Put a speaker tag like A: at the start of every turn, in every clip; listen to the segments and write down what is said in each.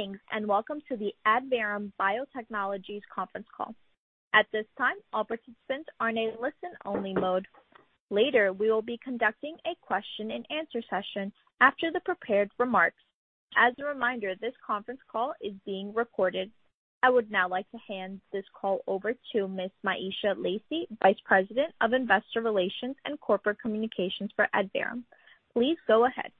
A: Greetings, welcome to the Adverum Biotechnologies conference call. At this time, all participants are in a listen-only mode. Later, we will be conducting a question and answer session after the prepared remarks. As a reminder, this conference call is being recorded. I would now like to hand this call over to Miss Myesha Lacy, Vice President of Investor Relations and Corporate Communications for Adverum Biotechnologies. Please go ahead.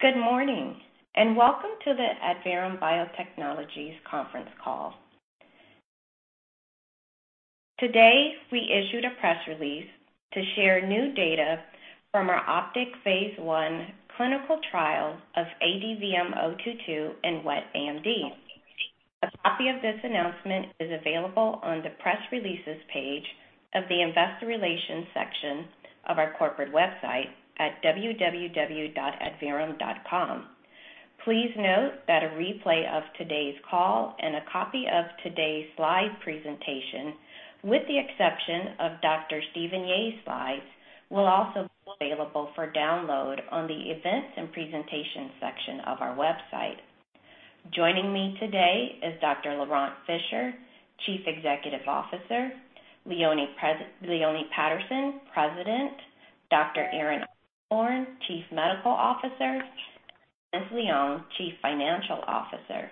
B: Good morning, and welcome to the Adverum Biotechnologies conference call. Today, we issued a press release to share new data from our OPTIC Phase I clinical trial of ADVM-022 in wet AMD. A copy of this announcement is available on the Press Releases page of the Investor Relations section of our corporate website at www.adverum.com. Please note that a replay of today's call and a copy of today's slide presentation, with the exception of Dr. Steven Yeh's slides, will also be available for download on the Events and Presentation section of our website. Joining me today is Dr. Laurent Fischer, Chief Executive Officer, Leone Patterson, President, Dr. Aaron Osborne, Chief Medical Officer, and Liz Leung, Chief Financial Officer.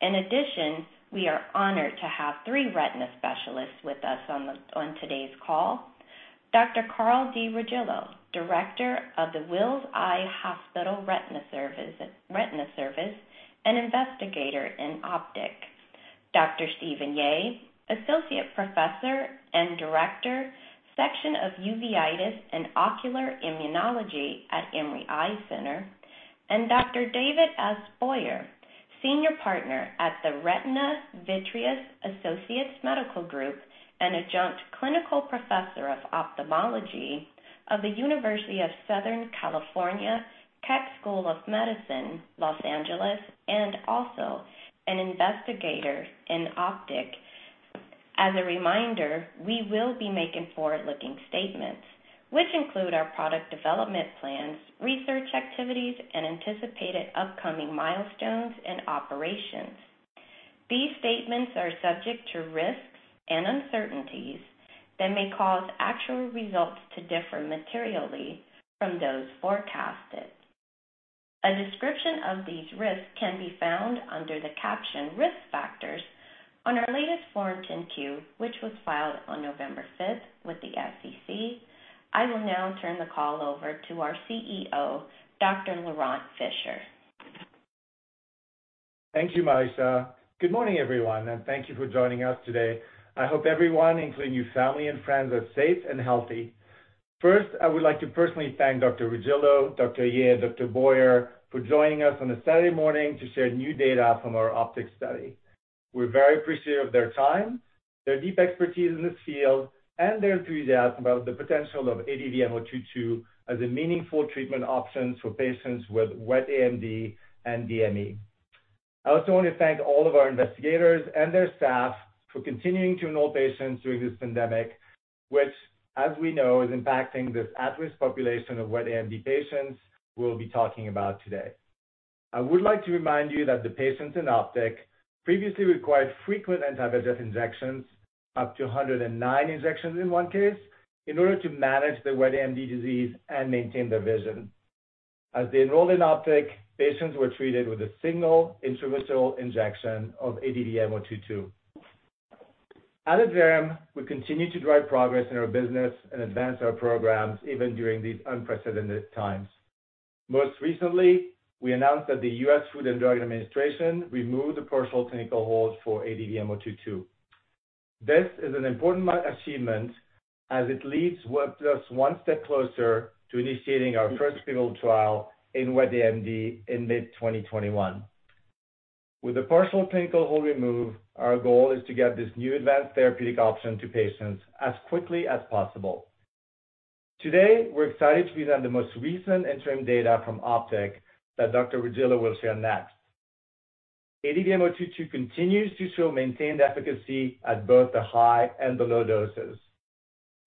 B: In addition, we are honored to have three retina specialists with us on today's call. Dr. Carl D. Regillo, Director of the Wills Eye Hospital Retina Service, and investigator in OPTIC. Dr. Steven Yeh, Associate Professor and Director, Section of Uveitis and Ocular Immunology at Emory Eye Center, and Dr. David S. Boyer, Senior Partner at the Retina-Vitreous Associates Medical Group, and Adjunct Clinical Professor of Ophthalmology of the University of Southern California Keck School of Medicine, Los Angeles, and also an investigator in OPTIC. As a reminder, we will be making forward-looking statements, which include our product development plans, research activities, and anticipated upcoming milestones and operations. These statements are subject to risks and uncertainties that may cause actual results to differ materially from those forecasted. A description of these risks can be found under the caption Risk Factors on our latest Form 10-Q, which was filed on November fifth with the SEC. I will now turn the call over to our CEO, Dr. Laurent Fischer.
C: Thank you, Myesha. Good morning, everyone, thank you for joining us today. I hope everyone, including your family and friends, are safe and healthy. First, I would like to personally thank Dr. Regillo, Dr. Yeh, Dr. Boyer for joining us on a Saturday morning to share new data from our OPTIC study. We're very appreciative of their time, their deep expertise in this field, and their enthusiasm about the potential of ADVM-022 as a meaningful treatment option for patients with wet AMD and DME. I also want to thank all of our investigators and their staff for continuing to enroll patients during this pandemic, which, as we know, is impacting this at-risk population of wet AMD patients we'll be talking about today. I would like to remind you that the patients in OPTIC previously required frequent anti-VEGF injections, up to 109 injections in one case, in order to manage their wet AMD disease and maintain their vision. As they enrolled in OPTIC, patients were treated with a single intravitreal injection of ADVM-022. At Adverum Biotechnologies, we continue to drive progress in our business and advance our programs even during these unprecedented times. Most recently, we announced that the U.S. Food and Drug Administration removed the partial clinical hold for ADVM-022. This is an important achievement as it leads us one step closer to initiating our first clinical trial in wet AMD in mid 2021. With the partial clinical hold removed, our goal is to get this new advanced therapeutic option to patients as quickly as possible. Today, we're excited to present the most recent interim data from OPTIC that Dr. Regillo will share next. ADVM-022 continues to show maintained efficacy at both the high and the low doses.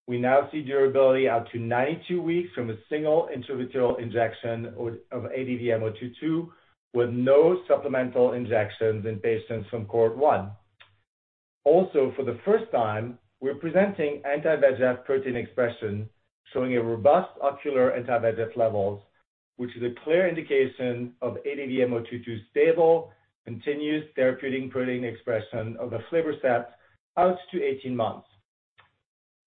C: We now see durability out to 92 weeks from a single intravitreal injection of ADVM-022, with no supplemental injections in patients from Cohort 1. For the first time, we're presenting anti-VEGF protein expression, showing a robust ocular anti-VEGF levels, which is a clear indication of ADVM-022's stable, continuous therapeutic protein expression of the aflibercept out to 18 months.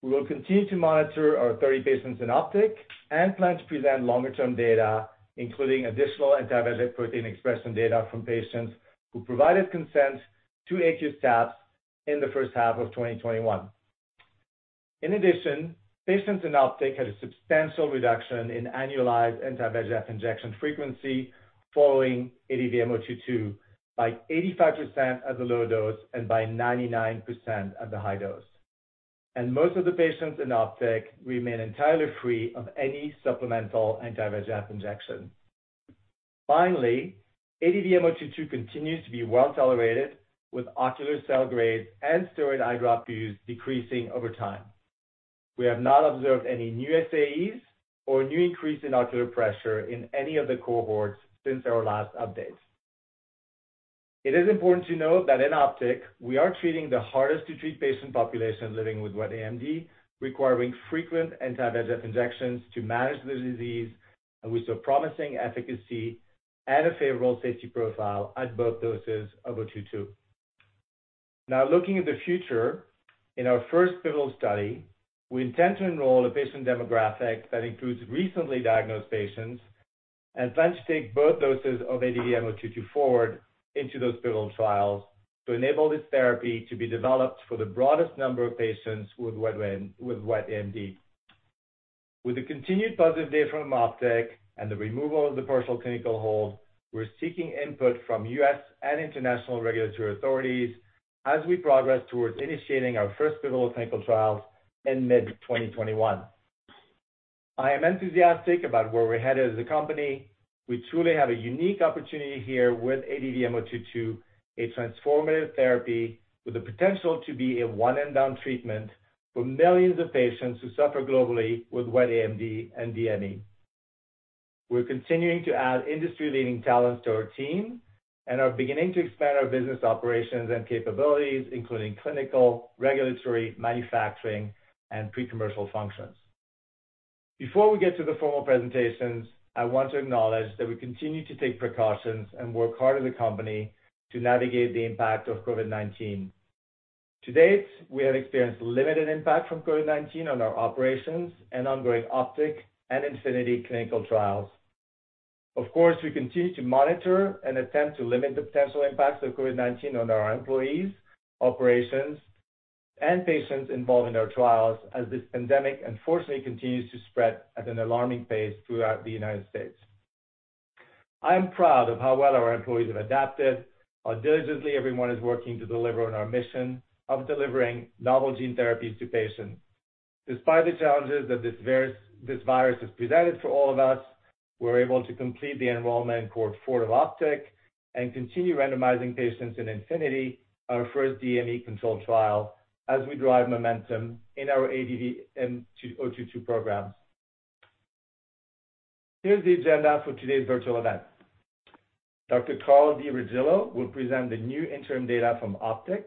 C: We will continue to monitor our 30 patients in OPTIC and plan to present longer-term data, including additional anti-VEGF protein expression data from patients who provided consent to aqueous tap in the first half of 2021. In addition, patients in OPTIC had a substantial reduction in annualized anti-VEGF injection frequency following ADVM-022 by 85% at the low dose and by 99% at the high dose. Most of the patients in OPTIC remain entirely free of any supplemental anti-VEGF injection. Finally, ADVM-022 continues to be well-tolerated, with ocular cell grades and steroid eye drop use decreasing over time. We have not observed any new SAEs or new increase in ocular pressure in any of the cohorts since our last update. It is important to note that in OPTIC, we are treating the hardest-to-treat patient population living with wet AMD, requiring frequent anti-VEGF injections to manage the disease, and we saw promising efficacy and a favorable safety profile at both doses of ADVM-022. Looking at the future, in our first pivotal study, we intend to enroll a patient demographic that includes recently diagnosed patients and plan to take both doses of ADVM-022 forward into those pivotal trials to enable this therapy to be developed for the broadest number of patients with wet AMD. With the continued positive data from OPTIC and the removal of the partial clinical hold, we're seeking input from U.S. and international regulatory authorities as we progress towards initiating our first pivotal clinical trials in mid 2021. I am enthusiastic about where we're headed as a company. We truly have a unique opportunity here with ADVM-022, a transformative therapy with the potential to be a one-and-done treatment for millions of patients who suffer globally with wet AMD and DME. We're continuing to add industry-leading talents to our team and are beginning to expand our business operations and capabilities, including clinical, regulatory, manufacturing, and pre-commercial functions. Before we get to the formal presentations, I want to acknowledge that we continue to take precautions and work hard as a company to navigate the impact of COVID-19. To date, we have experienced limited impact from COVID-19 on our operations and ongoing OPTIC and INFINITY clinical trials. Of course, we continue to monitor and attempt to limit the potential impacts of COVID-19 on our employees, operations, and patients involved in our trials as this pandemic unfortunately continues to spread at an alarming pace throughout the United States. I am proud of how well our employees have adapted, how diligently everyone is working to deliver on our mission of delivering novel gene therapies to patients. Despite the challenges that this virus has presented for all of us, we were able to complete the enrollment in Cohort 4 of OPTIC and continue randomizing patients in INFINITY, our first DME controlled trial, as we drive momentum in our ADVM-022 programs. Here's the agenda for today's virtual event. Dr. Carl D. Regillo will present the new interim data from OPTIC.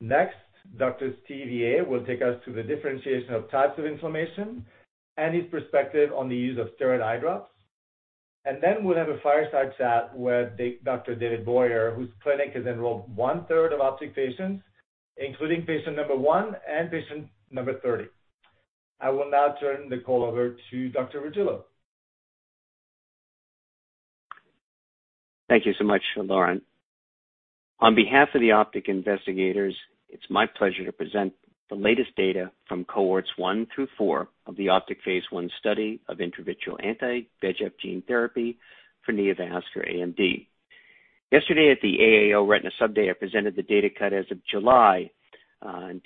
C: Next, Dr. Steven Yeh will take us through the differentiation of types of inflammation and his perspective on the use of steroid eye drops. We'll have a fireside chat with Dr. David Boyer, whose clinic has enrolled one-third of OPTIC patients, including patient number one and patient number 30. I will now turn the call over to Dr. Regillo.
D: Thank you so much, Laurent. On behalf of the OPTIC investigators, it's my pleasure to present the latest data from Cohorts 1 through 4 of the OPTIC phase I study of intravitreal anti-VEGF gene therapy for neovascular AMD. Yesterday at the AAO Retina Subspecialty Day, I presented the data cut as of July.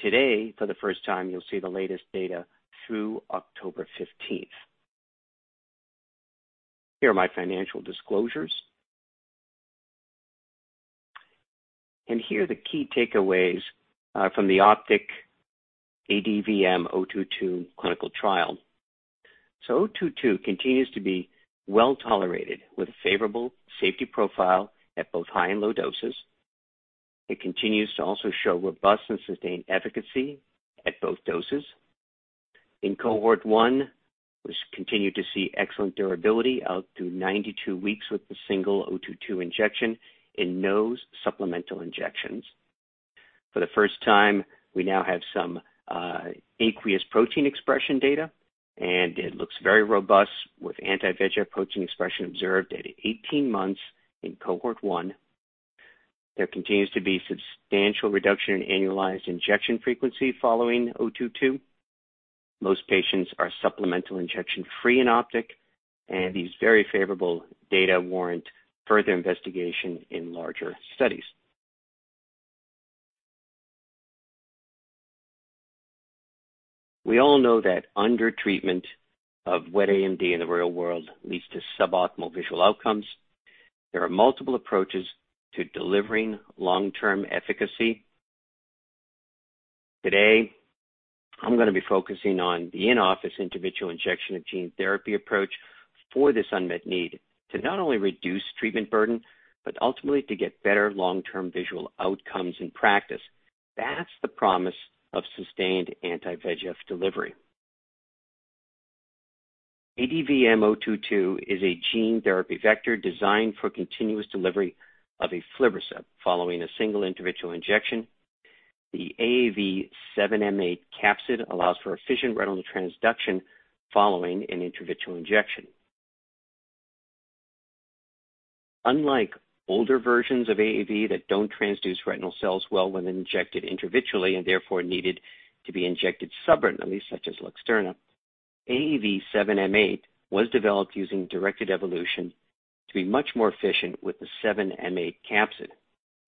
D: Today, for the first time, you'll see the latest data through October 15th. Here are my financial disclosures. Here are the key takeaways from the OPTIC ADVM-022 clinical trial. ADVM-022 continues to be well-tolerated with a favorable safety profile at both high and low doses. It continues to also show robust and sustained efficacy at both doses. In cohort 1, we continue to see excellent durability out to 92 weeks with the single ADVM-022 injection and no supplemental injections. For the first time, we now have some aqueous protein expression data. It looks very robust, with anti-VEGF protein expression observed at 18 months in Cohort 1. There continues to be substantial reduction in annualized injection frequency following ADVM-022. Most patients are supplemental injection-free in OPTIC. These very favorable data warrant further investigation in larger studies. We all know that undertreatment of wet AMD in the real world leads to suboptimal visual outcomes. There are multiple approaches to delivering long-term efficacy. Today, I'm going to be focusing on the in-office intravitreal injection of gene therapy approach for this unmet need to not only reduce treatment burden. Ultimately to get better long-term visual outcomes in practice. That's the promise of sustained anti-VEGF delivery. ADVM-022 is a gene therapy vector designed for continuous delivery of aflibercept following a single intravitreal injection. The AAV2.7m8 capsid allows for efficient retinal transduction following an intravitreal injection. Unlike older versions of AAV that don't transduce retinal cells well when injected intravitreally, and therefore needed to be injected subretinally, such as LUXTURNA, AAV2.7m8 was developed using directed evolution to be much more efficient with the AAV2.7m8 capsid.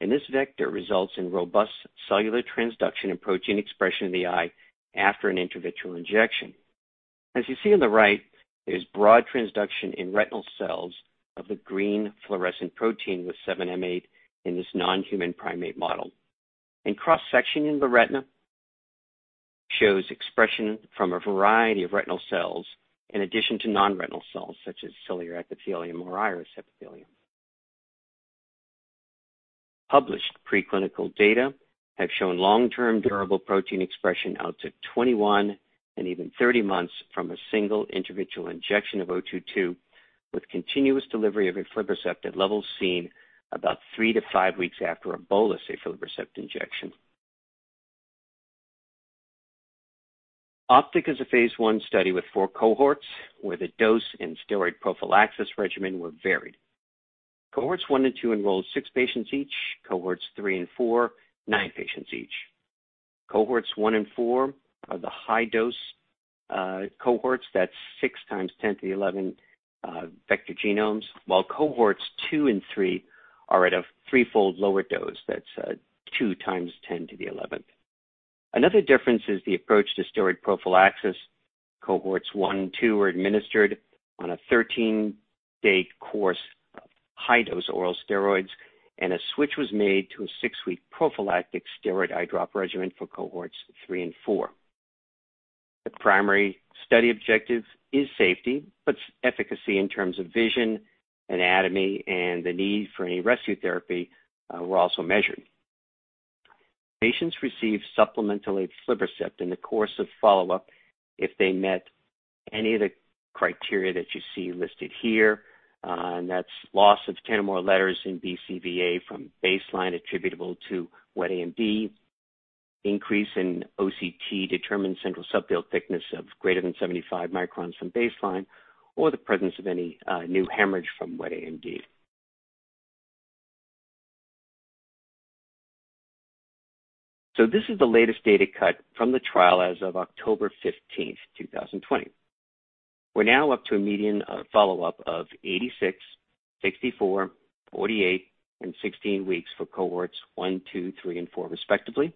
D: This vector results in robust cellular transduction and protein expression in the eye after an intravitreal injection. As you see on the right, there's broad transduction in retinal cells of the green fluorescent protein with AAV2.7m8 in this non-human primate model. In cross-section in the retina, shows expression from a variety of retinal cells in addition to non-retinal cells such as ciliary epithelium or iris epithelium. Published preclinical data have shown long-term durable protein expression out to 21 and even 30 months from a single intravitreal injection of ADVM-022, with continuous delivery of aflibercept at levels seen about three to five weeks after a bolus aflibercept injection. OPTIC is a phase I study with four cohorts, where the dose and steroid prophylaxis regimen were varied. Cohorts 1 and 2 enrolled six patients each, Cohorts 3 and 4, nine patients each. Cohorts 1 and 4 are the high dose cohorts, that's 6 times 10 to the 11th vector genomes, while Cohorts 2 and 3 are at a threefold lower dose. That's 2 times 10 to the 11th. Another difference is the approach to steroid prophylaxis. Cohorts 1 and 2 were administered on a 13-day course of high-dose oral steroids. A switch was made to a six-week prophylactic steroid eye drop regimen for Cohorts 3 and 4. The primary study objective is safety, efficacy in terms of vision, anatomy, and the need for any rescue therapy were also measured. Patients received supplemental aflibercept in the course of follow-up if they met any of the criteria that you see listed here, that's loss of 10 or more letters in BCVA from baseline attributable to wet AMD, increase in OCT determined Central Subfield Thickness of greater than 75 microns from baseline, or the presence of any new hemorrhage from wet AMD. This is the latest data cut from the trial as of October 15th, 2020. We're now up to a median follow-up of 86, 64, 48, and 16 weeks for Cohorts 1, 2, 3, and 4, respectively.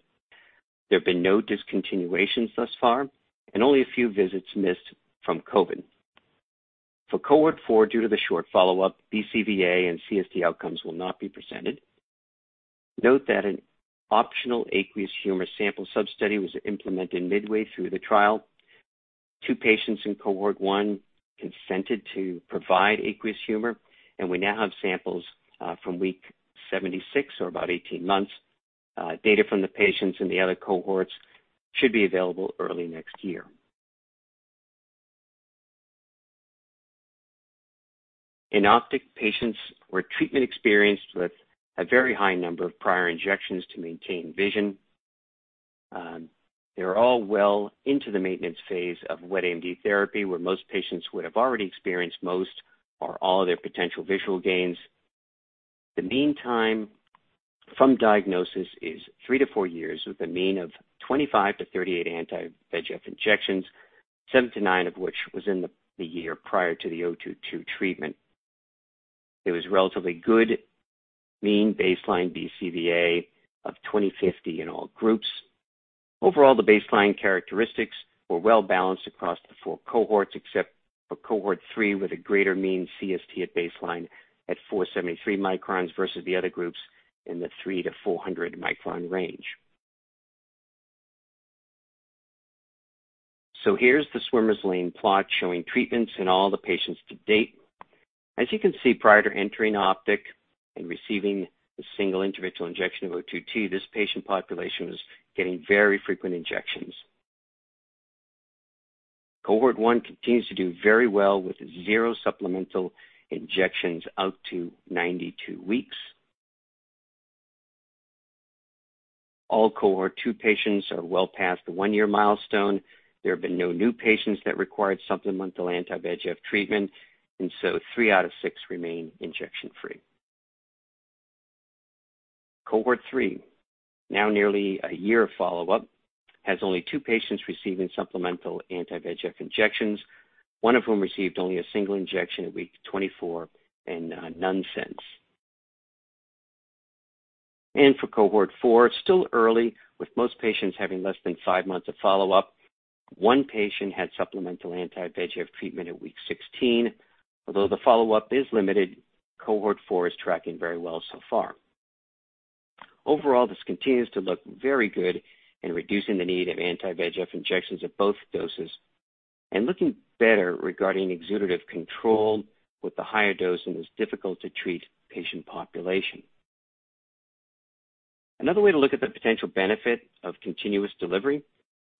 D: There have been no discontinuations thus far and only a few visits missed from COVID. For Cohort 4, due to the short follow-up, BCVA and CST outcomes will not be presented. Note that an optional aqueous humor sample sub-study was implemented midway through the trial. Two patients in Cohort 1 consented to provide aqueous humor, and we now have samples from week 76 or about 18 months. Data from the patients in the other cohorts should be available early next year. In OPTIC, patients were treatment experienced with a very high number of prior injections to maintain vision. They were all well into the maintenance phase of wet AMD therapy, where most patients would have already experienced most or all of their potential visual gains. The mean time from diagnosis is three to four years, with a mean of 25-38 anti-VEGF injections, seven to nine of which was in the year prior to the ADVM-022 treatment. There was relatively good mean baseline BCVA of 20/50 in all groups. Overall, the baseline characteristics were well-balanced across the four cohorts, except for Cohort 3 with a greater mean CST at baseline at 473 microns versus the other groups in the 300-400 micron range. Here's the swimmer's lane plot showing treatments in all the patients to date. As you can see, prior to entering OPTIC and receiving the single intravitreal injection of ADVM-022, this patient population was getting very frequent injections. Cohort 1 continues to do very well with zero supplemental injections out to 92 weeks. All Cohort 2 patients are well past the one-year milestone. There have been no new patients that required supplemental anti-VEGF treatment, and so three out of six remain injection-free. Cohort three, now nearly a year of follow-up, has only two patients receiving supplemental anti-VEGF injections, one of whom received only a single injection at week 24 and none since. For cohort four, it's still early, with most patients having less than five months of follow-up. One patient had supplemental anti-VEGF treatment at week 16. The follow-up is limited, cohort four is tracking very well so far. This continues to look very good in reducing the need of anti-VEGF injections at both doses and looking better regarding exudative control with the higher dose in this difficult to treat patient population. Another way to look at the potential benefit of continuous delivery,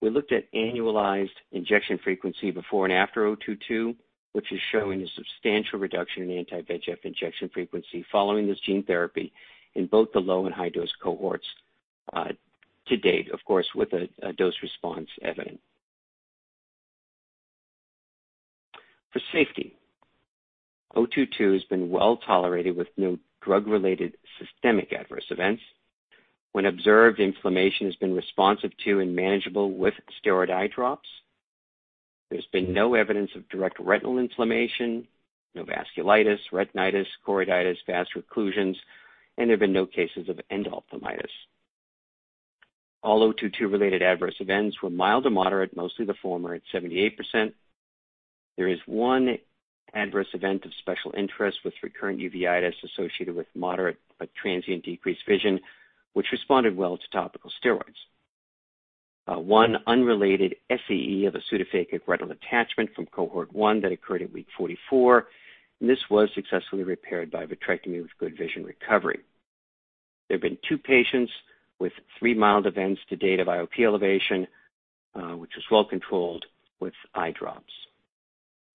D: we looked at annualized injection frequency before and after ADVM-022, which is showing a substantial reduction in anti-VEGF injection frequency following this gene therapy in both the low and high dose cohorts to date, of course, with a dose response evident. For safety, ADVM-022 has been well-tolerated with no drug-related systemic adverse events. When observed, inflammation has been responsive to and manageable with steroid eye drops. There has been no evidence of direct retinal inflammation, no vasculitis, retinitis, choroiditis, vascular occlusions, and there have been no cases of endophthalmitis. All ADVM-022-related adverse events were mild to moderate, mostly the former at 78%. There is one adverse event of special interest with recurrent uveitis associated with moderate but transient decreased vision, which responded well to topical steroids. One unrelated SAE of a pseudophakic retinal detachment from Cohort 1 that occurred at week 44, and this was successfully repaired by vitrectomy with good vision recovery. There have been two patients with three mild events to date of IOP elevation, which is well controlled with eye drops.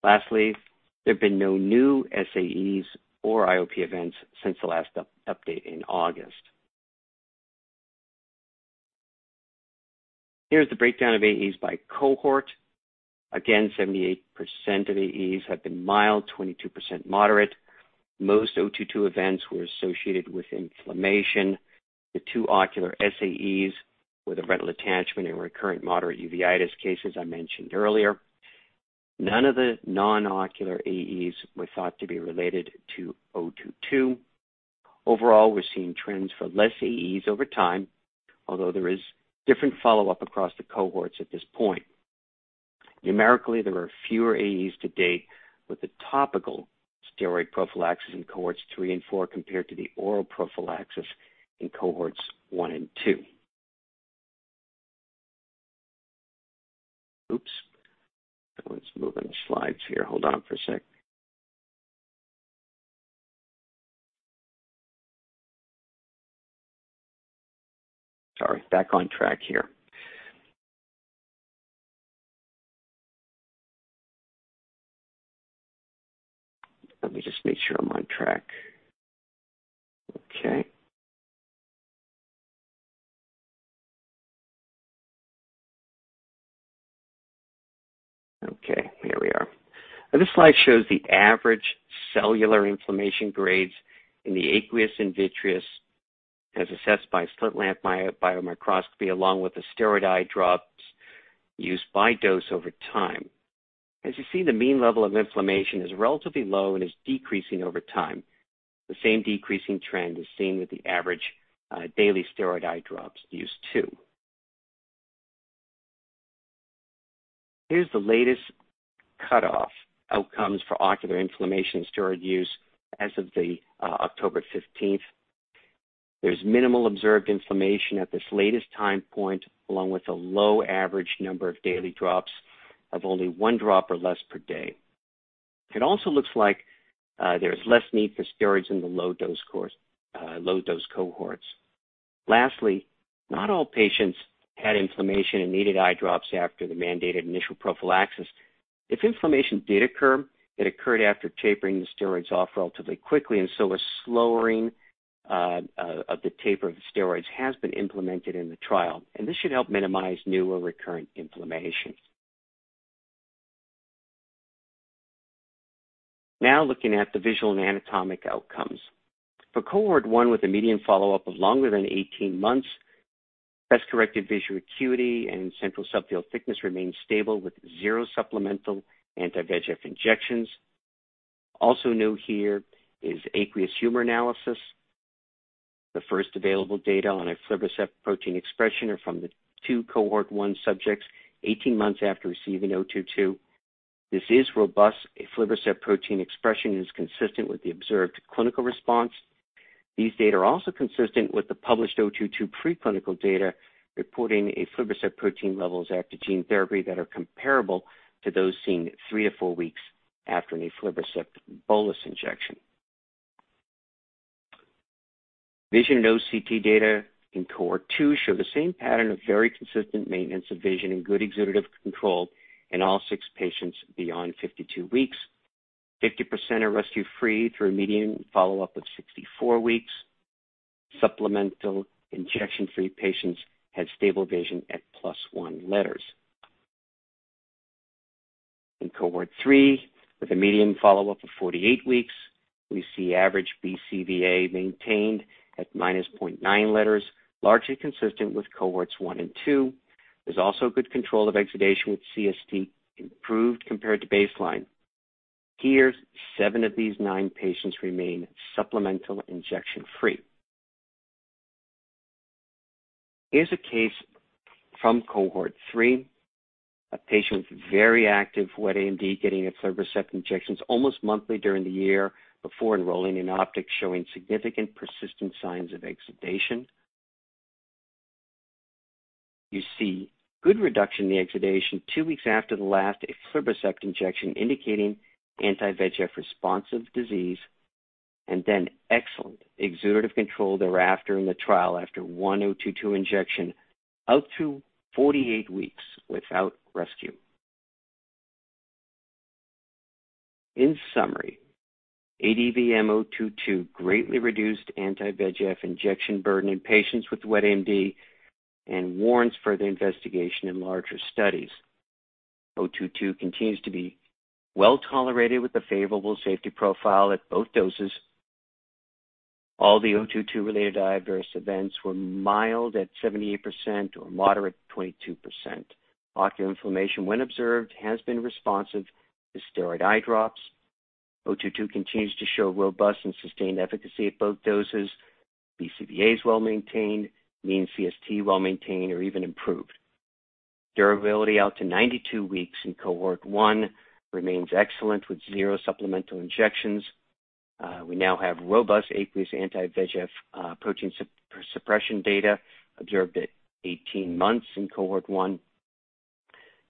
D: There have been no new SAEs or IOP events since the last update in August. Here is the breakdown of AEs by cohort. 78% of AEs have been mild, 22% moderate. Most ADVM-022 events were associated with inflammation. The two ocular SAEs were the retinal detachment and recurrent moderate uveitis cases I mentioned earlier. None of the non-ocular AEs were thought to be related to ADVM-022. We're seeing trends for less AEs over time, although there is different follow-up across the cohorts at this point. Numerically, there are fewer AEs to date with the topical steroid prophylaxis in Cohorts 3 and 4 compared to the oral prophylaxis in Cohorts 1 and 2. Oops. Let's move on the slides here. Hold on for a sec. Sorry, back on track here. Let me just make sure I'm on track. Okay. Okay, here we are. This slide shows the average cellular inflammation grades in the aqueous and vitreous as assessed by slit lamp biomicroscopy, along with the steroid eye drops used by dose over time. As you see, the mean level of inflammation is relatively low and is decreasing over time. The same decreasing trend is seen with the average daily steroid eye drops used too. Here's the latest cutoff outcomes for ocular inflammation steroid use as of the October 15th. There's minimal observed inflammation at this latest time point, along with a low average number of daily drops of only one drop or less per day. It also looks like there is less need for steroids in the low-dose cohorts. Lastly, not all patients had inflammation and needed eye drops after the mandated initial prophylaxis. If inflammation did occur, it occurred after tapering the steroids off relatively quickly. A slowing of the taper of the steroids has been implemented in the trial. This should help minimize new or recurrent inflammation. Looking at the visual and anatomic outcomes. For Cohort 1 with a median follow-up of longer than 18 months, best-corrected visual acuity and central subfield thickness remains stable with zero supplemental anti-VEGF injections. New here is aqueous humor analysis. The first available data on aflibercept protein expression are from the two Cohort 1 subjects 18 months after receiving ADVM-022. This is robust. Aflibercept protein expression is consistent with the observed clinical response. These data are also consistent with the published ADVM-022 preclinical data reporting aflibercept protein levels after gene therapy that are comparable to those seen three to four weeks after an aflibercept bolus injection. Vision and OCT data in Cohort 2 show the same pattern of very consistent maintenance of vision and good exudative control in all six patients beyond 52 weeks. 50% are rescue-free through a median follow-up of 64 weeks. Supplemental injection-free patients had stable vision at +1 letters. In Cohort 3, with a median follow-up of 48 weeks, we see average BCVA maintained at -0.9 letters, largely consistent with Cohorts 1 and 2. There's also good control of exudation, with CST improved compared to baseline. Here, seven of these nine patients remain supplemental injection free. Here's a case from Cohort 3. A patient with very active wet AMD getting aflibercept injections almost monthly during the year before enrolling in OPTIC, showing significant persistent signs of exudation. You see good reduction in the exudation two weeks after the last aflibercept injection, indicating anti-VEGF responsive disease, and then excellent exudative control thereafter in the trial after one ADVM-022 injection out to 48 weeks without rescue. In summary, ADVM-022 greatly reduced anti-VEGF injection burden in patients with wet AMD and warrants further investigation in larger studies. ADVM-022 continues to be well-tolerated with a favorable safety profile at both doses. All the ADVM-022-related adverse events were mild at 78% or moderate 22%. Ocular inflammation, when observed, has been responsive to steroid eye drops. ADVM-022 continues to show robust and sustained efficacy at both doses. BCVA is well-maintained, mean CST well-maintained or even improved. Durability out to 92 weeks in Cohort 1 remains excellent with zero supplemental injections. We now have robust aqueous anti-VEGF protein suppression data observed at 18 months in Cohort 1.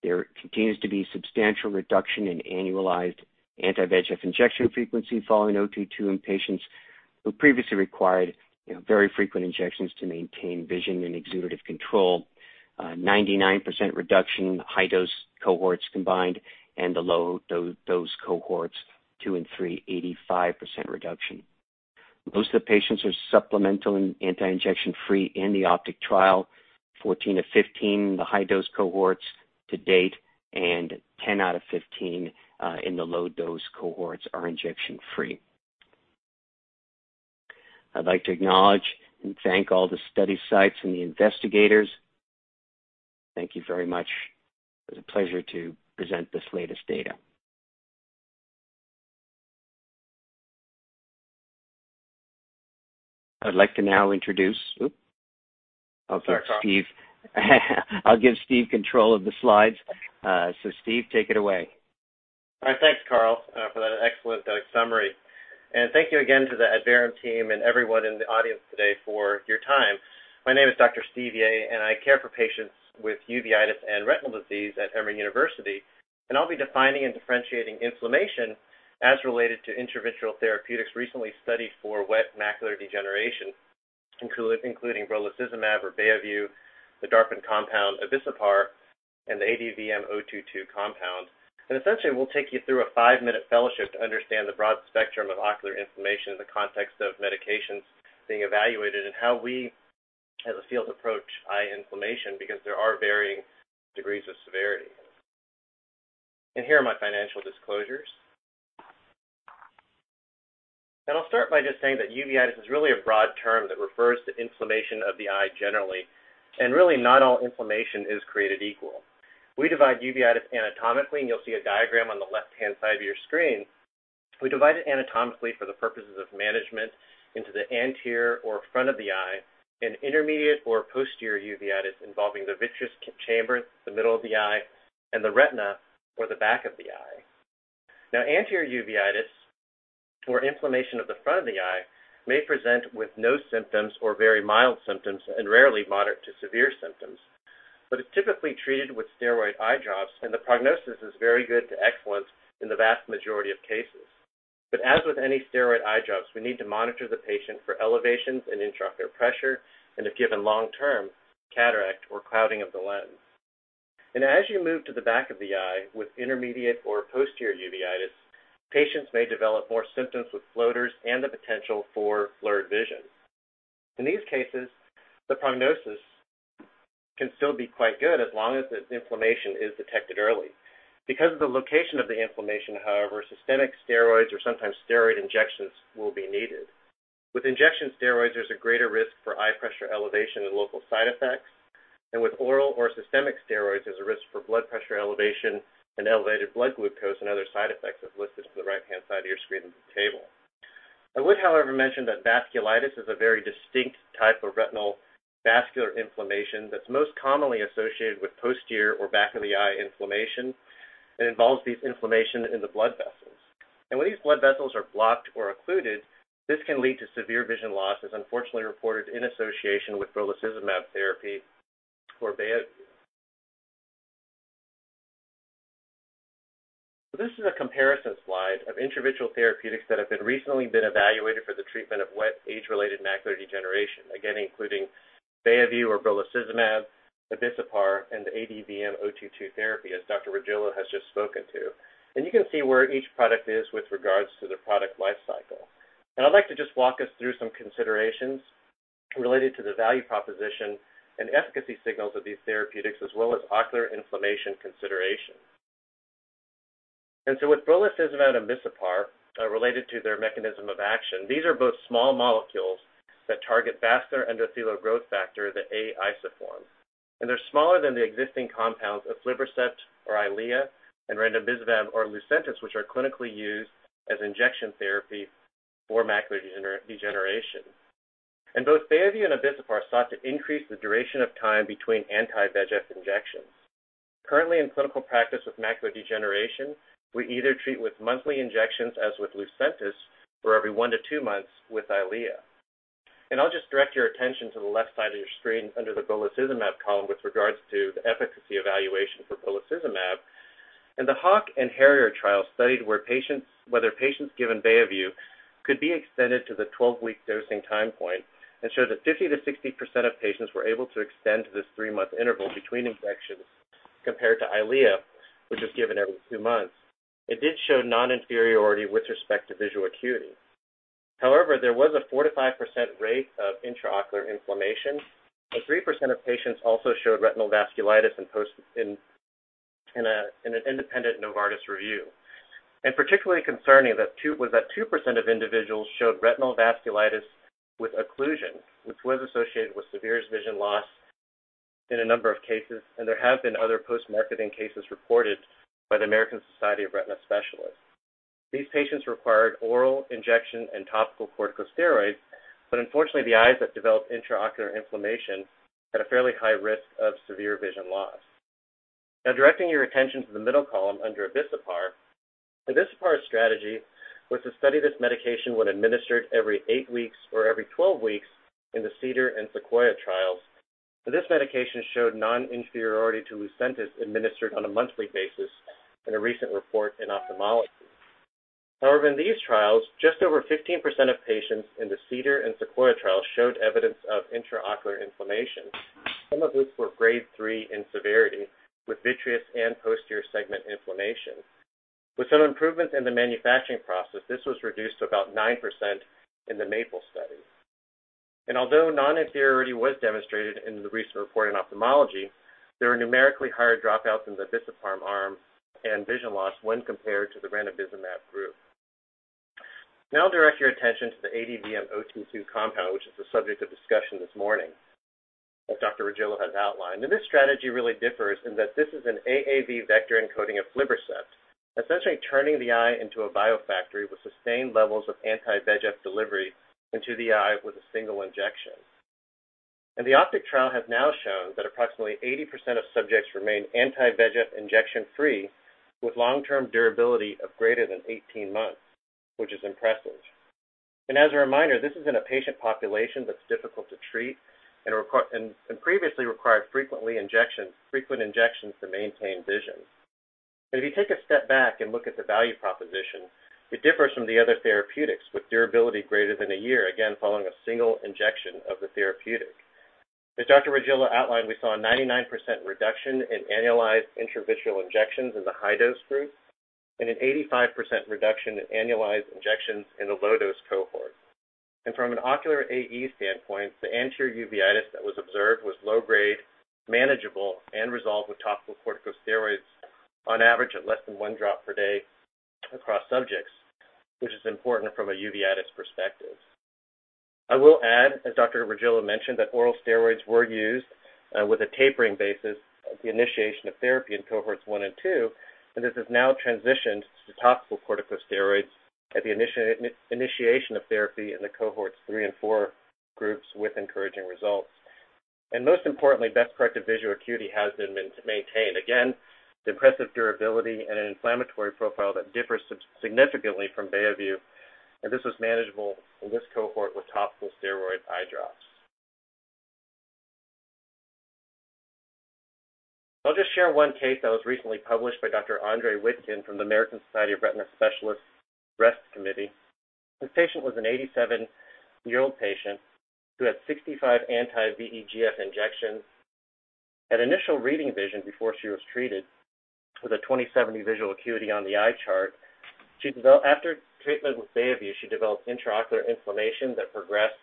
D: There continues to be substantial reduction in annualized anti-VEGF injection frequency following ADVM-022 in patients who previously required very frequent injections to maintain vision and exudative control. 99% reduction in the high-dose cohorts combined and the low-dose Cohorts, 2 and 3, 85% reduction. Most of the patients are supplemental and anti-injection free in the OPTIC trial, 14 of 15 in the high-dose cohorts to date, and 10 out of 15 in the low-dose cohorts are injection free. I'd like to acknowledge and thank all the study sites and the investigators. Thank you very much. It was a pleasure to present this latest data. I'd like to now introduce-
E: Sorry, Carl.
D: I'll give Steven control of the slides. Steven, take it away.
E: All right. Thanks, Carl, for that excellent summary. Thank you again to the Adverum Biotechnologies team and everyone in the audience today for your time. My name is Dr. Steven Yeh, and I care for patients with uveitis and retinal disease at Emory University. I'll be defining and differentiating inflammation as related to intravitreal therapeutics recently studied for wet macular degeneration, including brolucizumab or Beovu, the DARPin compound, abicipar, and the ADVM-022 compound. Essentially, we'll take you through a five-minute fellowship to understand the broad spectrum of ocular inflammation in the context of medications being evaluated and how we, as a field, approach eye inflammation, because there are varying degrees of severity. Here are my financial disclosures. I'll start by just saying that uveitis is really a broad term that refers to inflammation of the eye generally, and really not all inflammation is created equal. We divide uveitis anatomically, and you'll see a diagram on the left-hand side of your screen. We divide it anatomically for the purposes of management into the anterior or front of the eye, and intermediate or posterior uveitis involving the vitreous chamber, the middle of the eye, and the retina or the back of the eye. Anterior uveitis or inflammation of the front of the eye may present with no symptoms or very mild symptoms and rarely moderate to severe symptoms. It's typically treated with steroid eye drops, and the prognosis is very good to excellent in the vast majority of cases. As with any steroid eye drops, we need to monitor the patient for elevations in intraocular pressure, and if given long term, cataract or clouding of the lens. As you move to the back of the eye with intermediate or posterior uveitis, patients may develop more symptoms with floaters and the potential for blurred vision. In these cases, the prognosis can still be quite good as long as the inflammation is detected early. Because of the location of the inflammation, however, systemic steroids or sometimes steroid injections will be needed. With injection steroids, there's a greater risk for eye pressure elevation and local side effects. With oral or systemic steroids, there's a risk for blood pressure elevation and elevated blood glucose and other side effects as listed to the right-hand side of your screen in the table. I would, however, mention that vasculitis is a very distinct type of retinal vascular inflammation that's most commonly associated with posterior or back of the eye inflammation. It involves this inflammation in the blood vessels. When these blood vessels are blocked or occluded, this can lead to severe vision loss, as unfortunately reported in association with brolucizumab therapy. This is a comparison slide of intravitreal therapeutics that have been recently been evaluated for the treatment of wet age-related macular degeneration, again, including Beovu or brolucizumab, abicipar, and the ADVM-022 therapy, as Dr. Regillo has just spoken to. You can see where each product is with regards to the product life cycle. I'd like to just walk us through some considerations related to the value proposition and efficacy signals of these therapeutics, as well as ocular inflammation considerations. With brolucizumab and abicipar, related to their mechanism of action, these are both small molecules that target vascular endothelial growth factor, the A isoform. They're smaller than the existing compounds aflibercept or Eylea and ranibizumab or Lucentis, which are clinically used as injection therapy for macular degeneration. Both Beovu and abicipar sought to increase the duration of time between anti-VEGF injections. Currently in clinical practice with macular degeneration, we either treat with monthly injections, as with Lucentis, or every one to two months with Eylea. I'll just direct your attention to the left side of your screen under the brolucizumab column with regards to the efficacy evaluation for brolucizumab. In the HAWK and HARRIER trials studied whether patients given Beovu could be extended to the 12-week dosing time point and showed that 50%-60% of patients were able to extend to this three-month interval between injections compared to Eylea, which is given every two months. It did show non-inferiority with respect to visual acuity. However, there was a 45% rate of intraocular inflammation, and 3% of patients also showed retinal vasculitis in an independent Novartis review. Particularly concerning was that 2% of individuals showed retinal vasculitis with occlusion, which was associated with severe vision loss. In a number of cases, there have been other post-marketing cases reported by the American Society of Retina Specialists. These patients required oral, injection, and topical corticosteroids, but unfortunately, the eyes that developed intraocular inflammation had a fairly high risk of severe vision loss. Now directing your attention to the middle column under abicipar. abicipar's strategy was to study this medication when administered every eight weeks or every 12 weeks in the CEDAR and SEQUOIA trials. This medication showed non-inferiority to Lucentis administered on a monthly basis in a recent report in Ophthalmology. In these trials, just over 15% of patients in the CEDAR and SEQUOIA trials showed evidence of intraocular inflammation. Some of these were grade 3 in severity, with vitreous and posterior segment inflammation. Some improvements in the manufacturing process, this was reduced to about 9% in the MAPLE study. Although non-inferiority was demonstrated in the recent report in Ophthalmology, there were numerically higher dropouts in the abicipar arm and vision loss when compared to the ranibizumab group. I'll direct your attention to the ADVM-022 compound, which is the subject of discussion this morning, as Dr. Regillo has outlined. This strategy really differs in that this is an AAV vector encoding aflibercept, essentially turning the eye into a biofactory with sustained levels of anti-VEGF delivery into the eye with a single injection. The OPTIC trial has now shown that approximately 80% of subjects remain anti-VEGF injection-free, with long-term durability of greater than 18 months, which is impressive. As a reminder, this is in a patient population that's difficult to treat and previously required frequent injections to maintain vision. If you take a step back and look at the value proposition, it differs from the other therapeutics with durability greater than a year, again, following a single injection of the therapeutic. As Dr. Regillo outlined, we saw a 99% reduction in annualized intravitreal injections in the high-dose group and an 85% reduction in annualized injections in the low-dose cohort. From an ocular AE standpoint, the anterior uveitis that was observed was low grade, manageable, and resolved with topical corticosteroids on average at less than one drop per day across subjects, which is important from a uveitis perspective. I will add, as Dr. Regillo mentioned, that oral steroids were used with a tapering basis at the initiation of therapy in Cohorts 1 and 2, this has now transitioned to topical corticosteroids at the initiation of therapy in the Cohorts 3 and 4 groups with encouraging results. Most importantly, best corrective visual acuity has been maintained. Again, the impressive durability and an inflammatory profile that differs significantly from Beovu, this was manageable in this cohort with topical steroid eye drops. I will just share one case that was recently published by Dr. Andre J. Witkin from the American Society of Retina Specialists ReST Committee. This patient was an 87-year-old patient who had 65 anti-VEGF injections. At initial reading vision before she was treated with a 20/70 visual acuity on the eye chart. After treatment with Beovu, she developed intraocular inflammation that progressed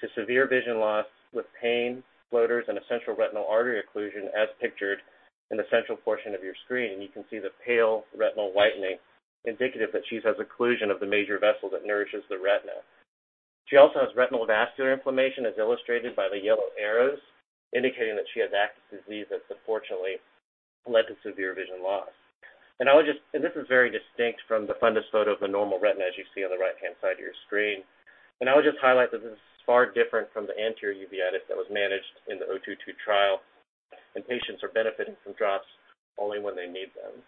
E: to severe vision loss with pain, floaters, and a central retinal artery occlusion as pictured in the central portion of your screen. You can see the pale retinal whitening, indicative that she has occlusion of the major vessel that nourishes the retina. She also has retinal vascular inflammation as illustrated by the yellow arrows, indicating that she has active disease that's unfortunately led to severe vision loss. This is very distinct from the fundus photo of a normal retina as you see on the right-hand side of your screen. I would just highlight that this is far different from the anterior uveitis that was managed in the ADVM-022 trial, and patients are benefiting from drops only when they need them.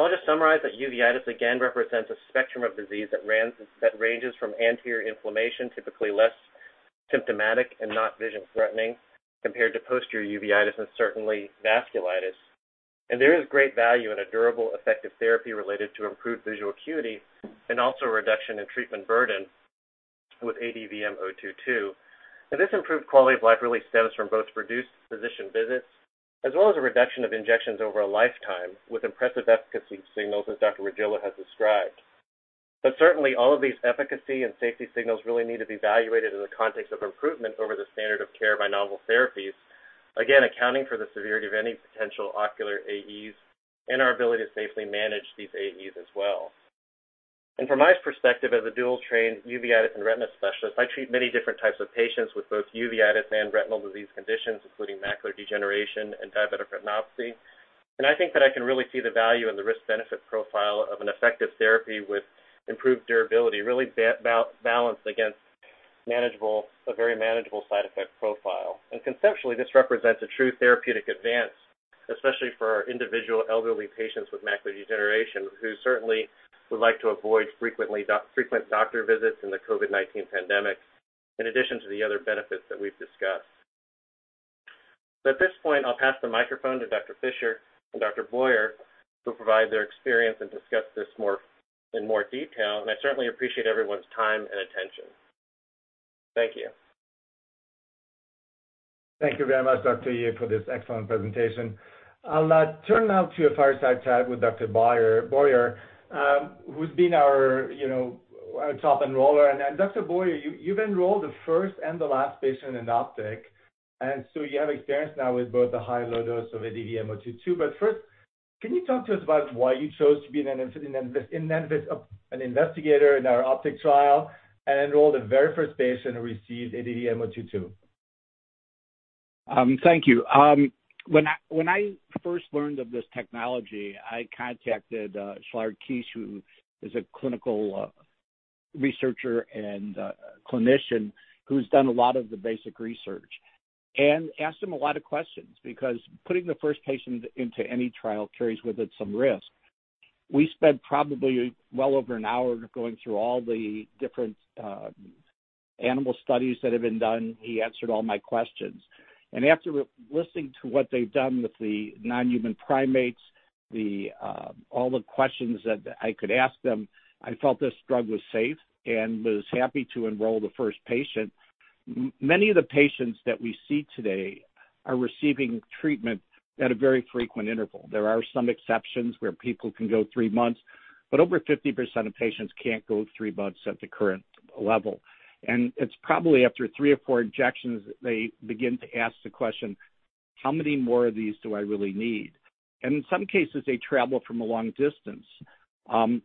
E: I'll just summarize that uveitis again represents a spectrum of disease that ranges from anterior inflammation, typically less symptomatic and not vision threatening, compared to posterior uveitis and certainly vasculitis. There is great value in a durable, effective therapy related to improved visual acuity and also a reduction in treatment burden with ADVM-022. This improved quality of life really stems from both reduced physician visits as well as a reduction of injections over a lifetime with impressive efficacy signals as Dr. Regillo has described. Certainly all of these efficacy and safety signals really need to be evaluated in the context of improvement over the standard of care by novel therapies, again, accounting for the severity of any potential ocular AEs and our ability to safely manage these AEs as well. From my perspective as a dual trained uveitis and retina specialist, I treat many different types of patients with both uveitis and retinal disease conditions, including macular degeneration and diabetic retinopathy. I think that I can really see the value in the risk-benefit profile of an effective therapy with improved durability, really balanced against a very manageable side effect profile. Conceptually, this represents a true therapeutic advance, especially for our individual elderly patients with macular degeneration who certainly would like to avoid frequent doctor visits in the COVID-19 pandemic, in addition to the other benefits that we've discussed. At this point, I'll pass the microphone to Dr. Fischer and Dr. Boyer, who'll provide their experience and discuss this in more detail, and I certainly appreciate everyone's time and attention. Thank you.
C: Thank you very much, Dr. Yeh, for this excellent presentation. I'll turn now to a fireside chat with Dr. Boyer, who's been our top enroller. Dr. Boyer, you've enrolled the first and the last patient in OPTIC. You have experience now with both the high and low dose of ADVM-022. First, can you talk to us about why you chose to be an investigator in our OPTIC trial and enrolled the very first patient who received ADVM-022?
F: Thank you. When I first learned of this technology, I contacted Szilárd Kiss, who is a clinical researcher and a clinician who's done a lot of the basic research, and asked him a lot of questions because putting the first patient into any trial carries with it some risk. We spent probably well over an hour going through all the different animal studies that have been done. He answered all my questions. After listening to what they've done with the non-human primates, all the questions that I could ask them, I felt this drug was safe and was happy to enroll the first patient. Many of the patients that we see today are receiving treatment at a very frequent interval. There are some exceptions where people can go three months, but over 50% of patients can't go three months at the current level. It's probably after three or four injections, they begin to ask the question: how many more of these do I really need? In some cases, they travel from a long distance.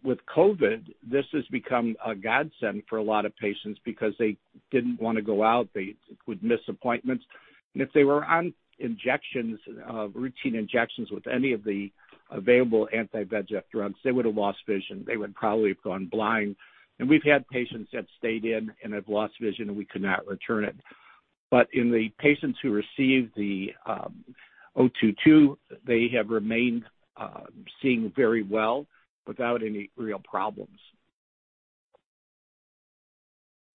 F: With COVID, this has become a godsend for a lot of patients because they didn't want to go out. They would miss appointments, and if they were on routine injections with any of the available anti-VEGF drugs, they would have lost vision. They would probably have gone blind. We've had patients that stayed in and have lost vision, and we could not return it. In the patients who received the ADVM-022, they have remained seeing very well without any real problems.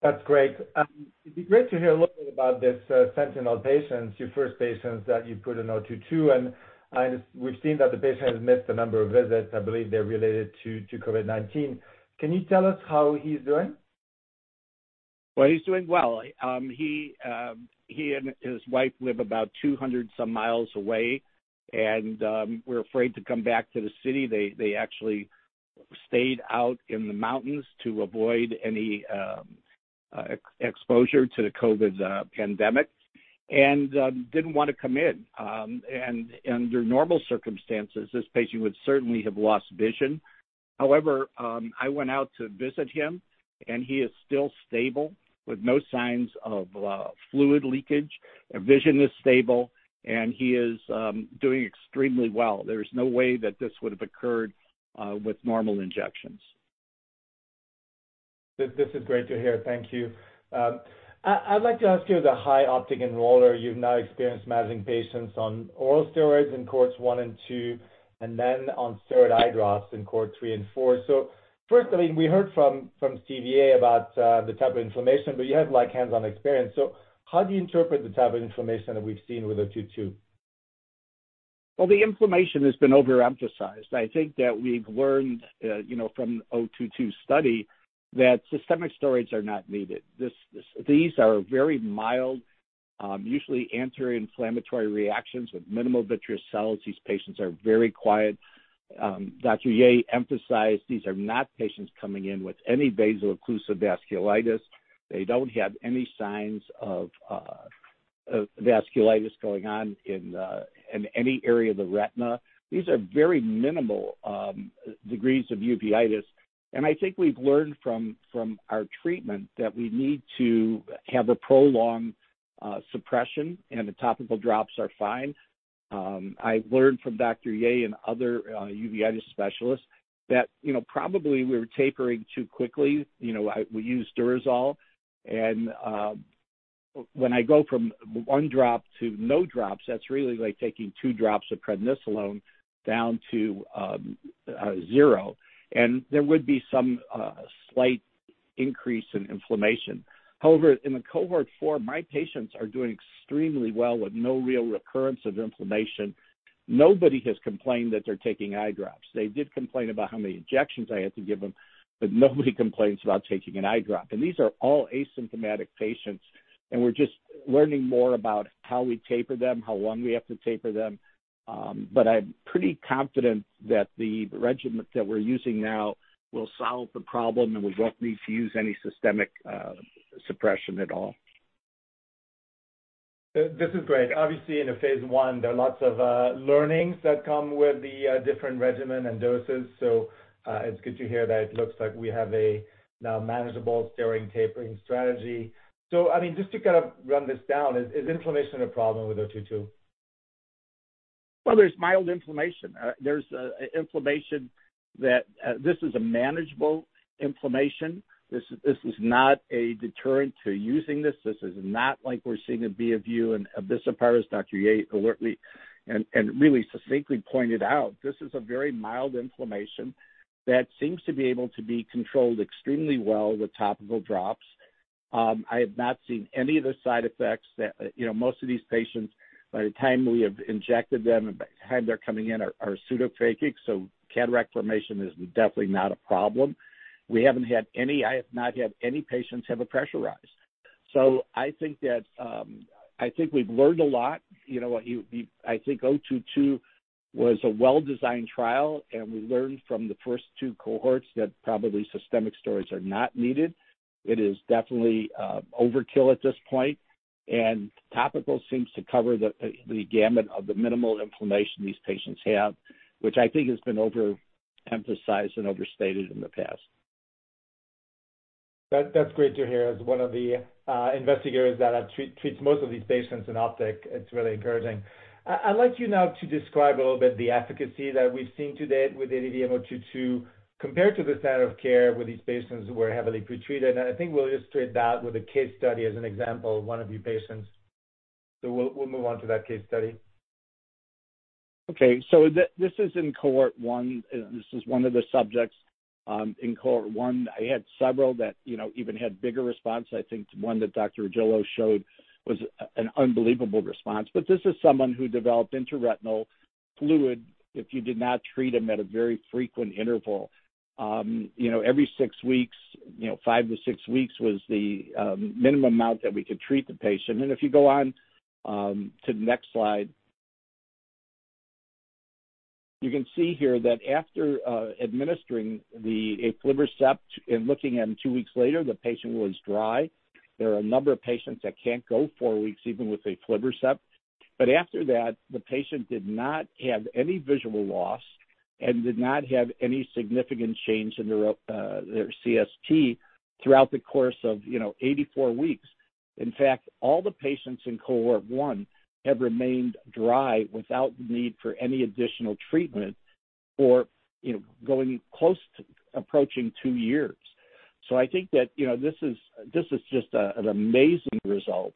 C: That's great. It'd be great to hear a little bit about this sentinel patient, your first patient that you put on ADVM-022. We've seen that the patient has missed a number of visits. I believe they're related to COVID-19. Can you tell us how he's doing?
F: Well, he's doing well. He and his wife live about 200 some miles away and were afraid to come back to the city. They actually stayed out in the mountains to avoid any exposure to the COVID pandemic and didn't want to come in. Under normal circumstances, this patient would certainly have lost vision. However, I went out to visit him, and he is still stable with no signs of fluid leakage. Vision is stable, and he is doing extremely well. There is no way that this would have occurred with normal injections.
C: This is great to hear. Thank you. I'd like to ask you, as a high OPTIC enroller, you've now experienced managing patients on oral steroids in Cohorts 1 and 2, and then on steroid eye drops in Cohorts 3 and 4. Firstly, we heard from Steven Yeh about the type of inflammation, but you have hands-on experience. How do you interpret the type of inflammation that we've seen with ADVM-022?
F: Well, the inflammation has been overemphasized. I think that we've learned from the ADVM-022 study that systemic steroids are not needed. These are very mild, usually anti-inflammatory reactions with minimal vitreous cells. These patients are very quiet. Dr. Yeh emphasized these are not patients coming in with any vaso-occlusive vasculitis. They don't have any signs of vasculitis going on in any area of the retina. These are very minimal degrees of uveitis, and I think we've learned from our treatment that we need to have a prolonged suppression, and the topical drops are fine. I learned from Dr. Yeh and other uveitis specialists that probably we're tapering too quickly. We use Durezol, and when I go from one drop to no drops, that's really like taking two drops of prednisolone down to zero, and there would be some slight increase in inflammation. In the Cohort 4, my patients are doing extremely well with no real recurrence of inflammation. Nobody has complained that they're taking eye drops. They did complain about how many injections I had to give them, but nobody complains about taking an eye drop. These are all asymptomatic patients, and we're just learning more about how we taper them, how long we have to taper them. I'm pretty confident that the regimen that we're using now will solve the problem, and we won't need to use any systemic suppression at all.
C: This is great. Obviously, in a phase I, there are lots of learnings that come with the different regimen and doses, it's good to hear that it looks like we have a now manageable steroid tapering strategy. Just to kind of run this down, is inflammation a problem with ADVM-022?
F: Well, there's mild inflammation. There's inflammation that this is a manageable inflammation. This is not a deterrent to using this. This is not like we're seeing in Beovu and abicipar. Dr. Yeh alertly and really succinctly pointed out. This is a very mild inflammation that seems to be able to be controlled extremely well with topical drops. I have not seen any of the side effects. Most of these patients, by the time we have injected them and by the time they're coming in, are pseudophakic, so cataract formation is definitely not a problem. I have not had any patients have a pressure rise. I think we've learned a lot. I think ADVM-022 was a well-designed trial, and we learned from the first two cohorts that probably systemic steroids are not needed. It is definitely overkill at this point, and topical seems to cover the gamut of the minimal inflammation these patients have, which I think has been overemphasized and overstated in the past.
C: That's great to hear. As one of the investigators that treats most of these patients in OPTIC, it's really encouraging. I'd like you now to describe a little bit the efficacy that we've seen to date with ADVM-022 compared to the standard of care where these patients were heavily pretreated. I think we'll illustrate that with a case study as an example of one of your patients. We'll move on to that case study.
F: Okay. This is in Cohort 1. This is one of the subjects in Cohort 1. I had several that even had bigger response. I think one that Dr. Regillo showed was an unbelievable response. This is someone who developed intraretinal fluid if you did not treat him at a very frequent interval. Every six weeks, five to six weeks, was the minimum amount that we could treat the patient. If you go on to the next slide, you can see here that after administering the aflibercept and looking at him two weeks later, the patient was dry. There are a number of patients that can't go four weeks even with aflibercept. After that, the patient did not have any visual loss and did not have any significant change in their CST throughout the course of 84 weeks. In fact, all the patients in Cohort 1 have remained dry without the need for any additional treatment for close to approaching two years. I think that this is just an amazing result.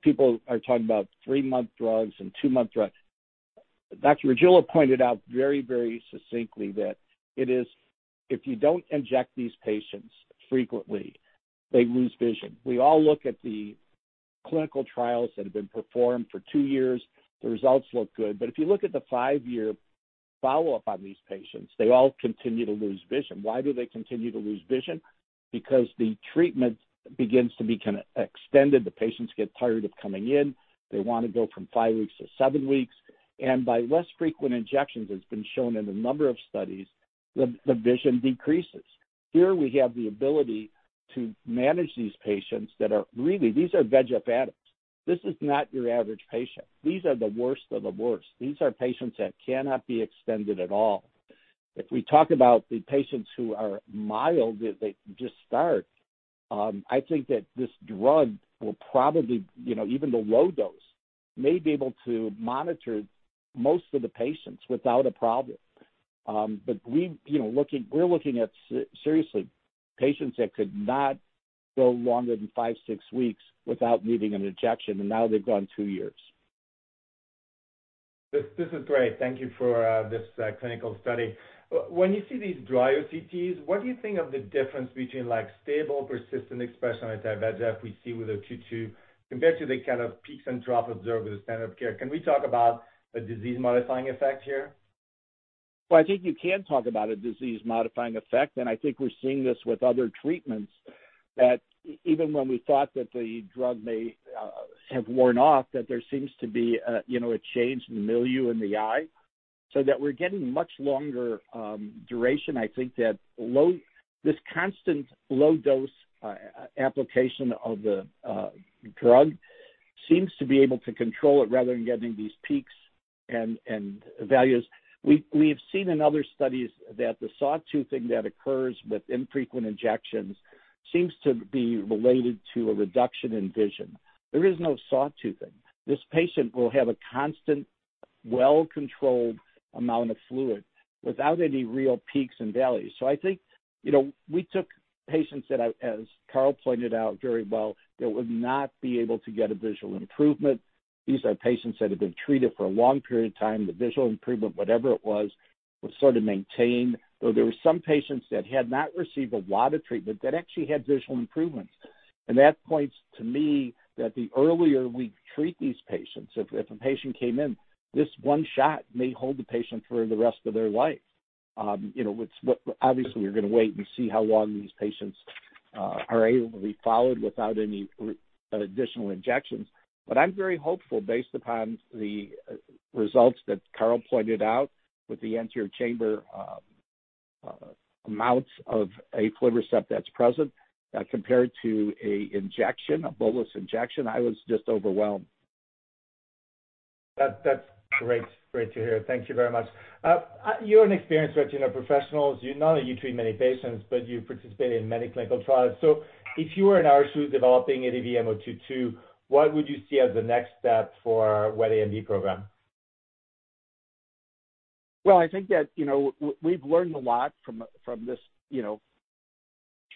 F: People are talking about three-month drugs and two-month drugs. Dr. Regillo pointed out very, very succinctly that if you don't inject these patients frequently, they lose vision. We all look at the clinical trials that have been performed for two years. The results look good. If you look at the five-year follow-up on these patients, they all continue to lose vision. Why do they continue to lose vision? Because the treatment begins to become extended. The patients get tired of coming in. They want to go from five weeks to seven weeks, and by less frequent injections, it's been shown in a number of studies, the vision decreases. Here we have the ability to manage these patients that are really, these are VEGF addicts. This is not your average patient. These are the worst of the worst. These are patients that cannot be extended at all. We talk about the patients who are mild, that they just start, I think that this drug will probably, even the low dose, may be able to monitor most of the patients without a problem. We're looking at, seriously, patients that could not go longer than five, six weeks without needing an injection, and now they've gone two years.
C: This is great. Thank you for this clinical study. When you see these dry OCTs, what do you think of the difference between stable, persistent expression anti-VEGF we see with ADVM-022 compared to the kind of peaks and drop observed with the standard of care? Can we talk about a disease-modifying effect here?
F: I think you can talk about a disease-modifying effect, and I think we're seeing this with other treatments, that even when we thought that the drug may have worn off, that there seems to be a change in the milieu in the eye, so that we're getting much longer duration. I think that this constant low dose application of the drug seems to be able to control it rather than getting these peaks and valleys. We've seen in other studies that the sawtooth thing that occurs with infrequent injections seems to be related to a reduction in vision. There is no sawtooth thing. This patient will have a constant, well-controlled amount of fluid without any real peaks and valleys. I think, we took patients that, as Carl pointed out very well, that would not be able to get a visual improvement. These are patients that have been treated for a long period of time. The visual improvement, whatever it was sort of maintained, though there were some patients that had not received a lot of treatment that actually had visual improvements. That points to me that the earlier we treat these patients, if a patient came in, this one shot may hold the patient for the rest of their life. Obviously, we're going to wait and see how long these patients are able to be followed without any additional injections. I'm very hopeful based upon the results that Carl pointed out with the anterior chamber amounts of aflibercept that's present compared to a bolus injection. I was just overwhelmed.
C: That's great to hear. Thank you very much. You're an experienced retina professional. Not only do you treat many patients, but you participate in many clinical trials. If you were in our shoes developing ADVM-022, what would you see as the next step for wet AMD program?
F: I think that we've learned a lot from this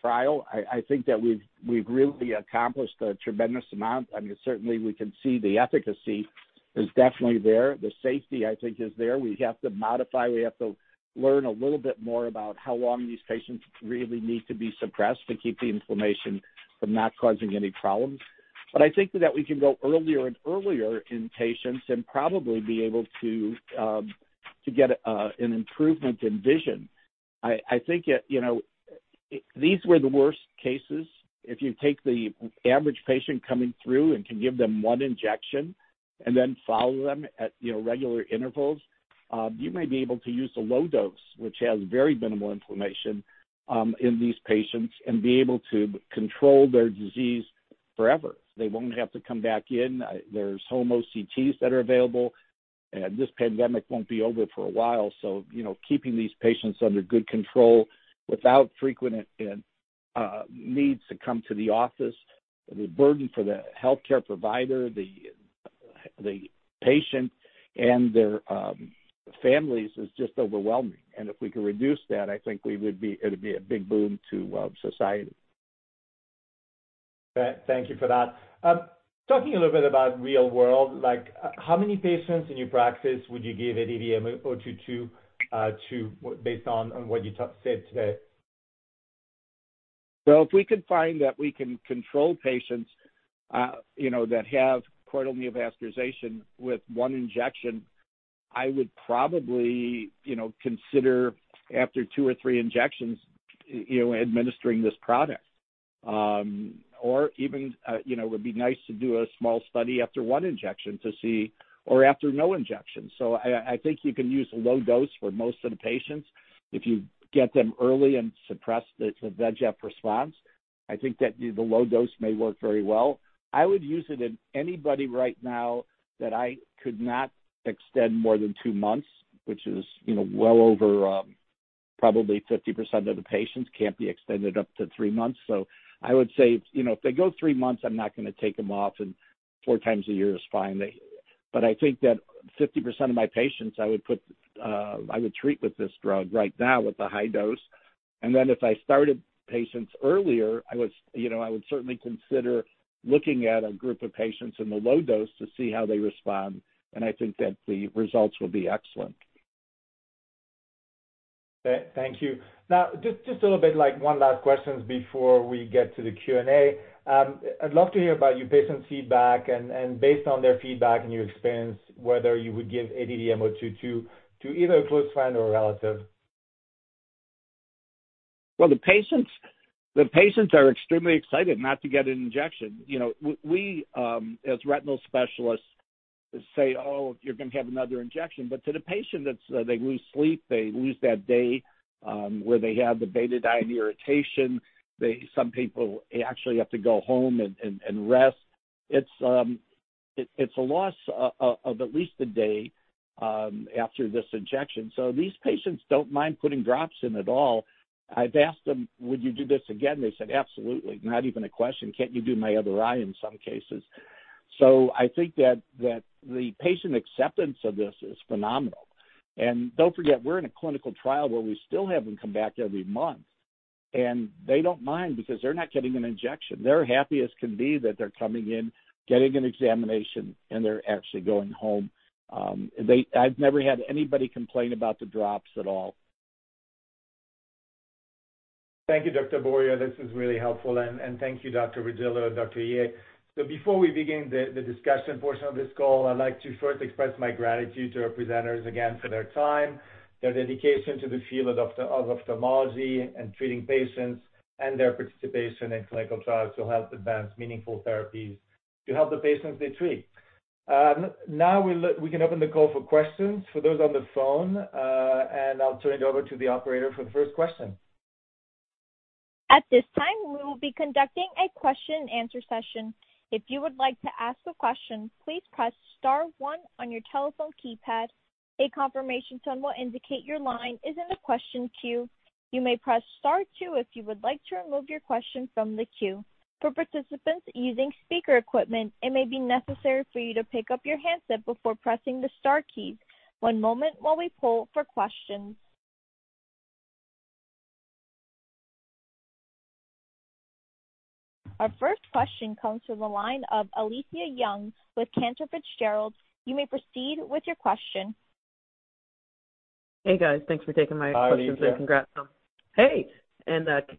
F: trial. I think that we've really accomplished a tremendous amount. I mean, certainly we can see the efficacy is definitely there. The safety, I think, is there. We have to modify, we have to learn a little bit more about how long these patients really need to be suppressed to keep the inflammation from not causing any problems. I think that we can go earlier and earlier in patients and probably be able to get an improvement in vision. I think that. These were the worst cases. If you take the average patient coming through and can give them one injection and then follow them at regular intervals, you may be able to use a low dose, which has very minimal inflammation, in these patients and be able to control their disease forever. They won't have to come back in. There's home OCTs that are available. This pandemic won't be over for a while. Keeping these patients under good control without frequent needs to come to the office, the burden for the healthcare provider, the patient, and their families is just overwhelming. If we could reduce that, I think it'd be a big boom to society.
C: Thank you for that. Talking a little bit about real world, how many patients in your practice would you give ADVM-022 to based on what you said today?
F: If we can find that we can control patients that have choroidal neovascularization with one injection, I would probably consider after two or three injections, administering this product. Even, it would be nice to do a small study after one injection to see, or after no injection. I think you can use a low dose for most of the patients. If you get them early and suppress the VEGF response, I think that the low dose may work very well. I would use it in anybody right now that I could not extend more than two months, which is well over probably 50% of the patients can't be extended up to three months. I would say, if they go three months, I'm not going to take them off, and four times a year is fine. I think that 50% of my patients, I would treat with this drug right now with the high dose. If I started patients earlier, I would certainly consider looking at a group of patients in the low dose to see how they respond, and I think that the results would be excellent.
C: Thank you. Now, just a little bit, one last question before we get to the Q&A. I'd love to hear about your patient feedback and based on their feedback and your experience, whether you would give ADVM-022 to either a close friend or a relative.
F: Well, the patients are extremely excited not to get an injection. We, as retinal specialists say, "Oh, you're going to have another injection." To the patient, they lose sleep. They lose that day where they have the Betadine irritation. Some people actually have to go home and rest. It's a loss of at least a day after this injection. These patients don't mind putting drops in at all. I've asked them, "Would you do this again?" They said, "Absolutely. Not even a question. Can't you do my other eye?" in some cases. I think that the patient acceptance of this is phenomenal. Don't forget, we're in a clinical trial where we still have them come back every month, and they don't mind because they're not getting an injection. They're happy as can be that they're coming in, getting an examination, and they're actually going home. I've never had anybody complain about the drops at all.
C: Thank you, Dr. Boyer. This is really helpful. Thank you, Dr. Regillo and Dr. Yeh. Before we begin the discussion portion of this call, I'd like to first express my gratitude to our presenters again for their time, their dedication to the field of ophthalmology and treating patients and their participation in clinical trials to help advance meaningful therapies to help the patients they treat. Now we can open the call for questions for those on the phone. I'll turn it over to the operator for the first question.
A: At this time, we will be conducting a question and answer session. If you would like to ask the question, please press star one on your telephone keypad, a confirmation tone will indicate your line is the question queue. If you'd like to remove your question from the queue, you may press star two. For participants using speaker equipment, it may be necessary for you to pick up your handset before pressing the star key. One moment while we poll for questions. Our first question comes from the line of Alethia Young with Cantor Fitzgerald. You may proceed with your question.
G: Hey, guys. Thanks for taking my questions.
C: Hi, Alethia.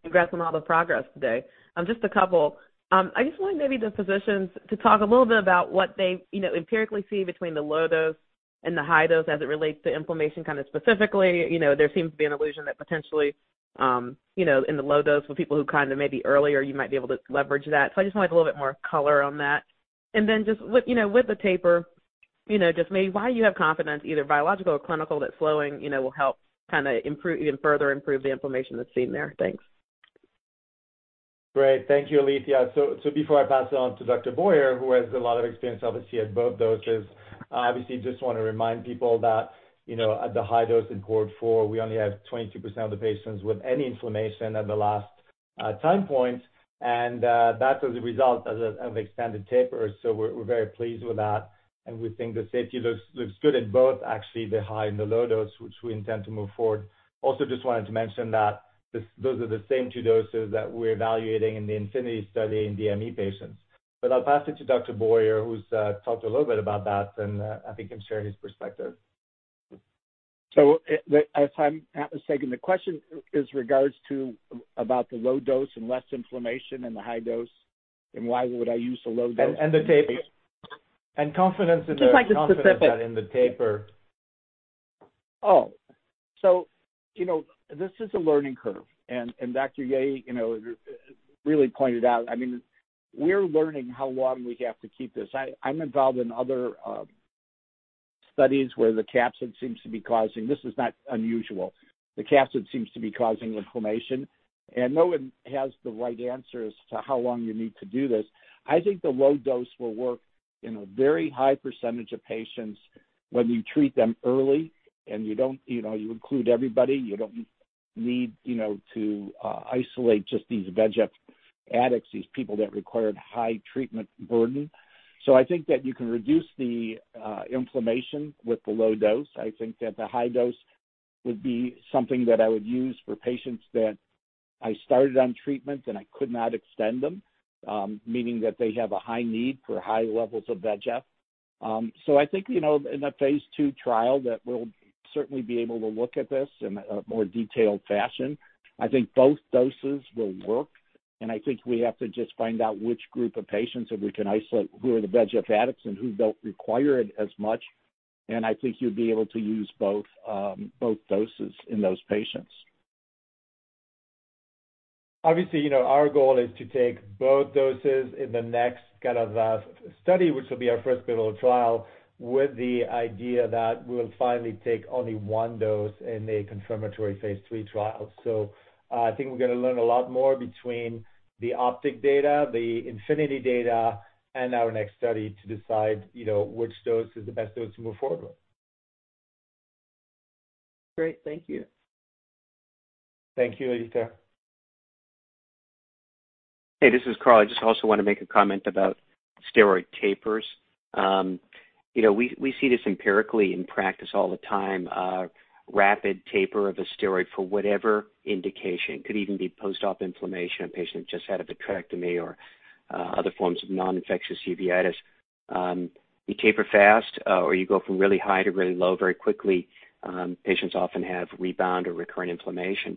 G: Congrats on all the progress today. I just want maybe the physicians to talk a little bit about what they empirically see between the low dose and the high dose as it relates to inflammation specifically. There seems to be an illusion that potentially, in the low dose for people who maybe earlier you might be able to leverage that. I just want a little bit more color on that. Just with the taper, just maybe why you have confidence either biological or clinical that slowing will help further improve the inflammation that's seen there. Thanks.
C: Great. Thank you, Alethia. Before I pass it on to Dr. Boyer, who has a lot of experience obviously at both doses, I obviously just want to remind people that at the high dose in Cohort 4, we only have 22% of the patients with any inflammation at the last time point, and that's as a result of extended taper. We're very pleased with that, and we think the safety looks good at both actually the high and the low dose, which we intend to move forward. Just wanted to mention that those are the same two doses that we're evaluating in the INFINITY study in DME patients. I'll pass it to Dr. Boyer, who's talked a little bit about that, and I think he can share his perspective.
F: If I'm mistaken, the question is regards to about the low dose and less inflammation and the high dose, and why would I use the low dose?
C: The taper.
G: Just the specific.
F: This is a learning curve, and Dr. Yeh really pointed out. We're learning how long we have to keep this. I'm involved in other studies where the capsid seems to be causing. This is not unusual. The capsid seems to be causing inflammation, no one has the right answer as to how long you need to do this. I think the low dose will work in a very high percentage of patients when you treat them early, you include everybody. You don't need to isolate just these VEGF addicts, these people that required high treatment burden. I think that you can reduce the inflammation with the low dose. I think that the high dose would be something that I would use for patients that I started on treatments, and I could not extend them, meaning that they have a high need for high levels of VEGF. I think, in the phase II trial, that we'll certainly be able to look at this in a more detailed fashion. I think both doses will work, and I think we have to just find out which group of patients, if we can isolate who are the VEGF addicts and who don't require it as much. I think you'd be able to use both doses in those patients.
C: Obviously, our goal is to take both doses in the next kind of study, which will be our first pivotal trial, with the idea that we will finally take only one dose in a confirmatory phase III trial. I think we're going to learn a lot more between the OPTIC data, the INFINITY data, and our next study to decide which dose is the best dose to move forward with.
G: Great. Thank you.
C: Thank you, Alethia.
D: Hey, this is Carl. I just also want to make a comment about steroid tapers. We see this empirically in practice all the time. A rapid taper of a steroid for whatever indication. Could even be post-op inflammation in a patient who just had a vitrectomy or other forms of non-infectious uveitis. You taper fast, or you go from really high to really low very quickly. Patients often have rebound or recurrent inflammation.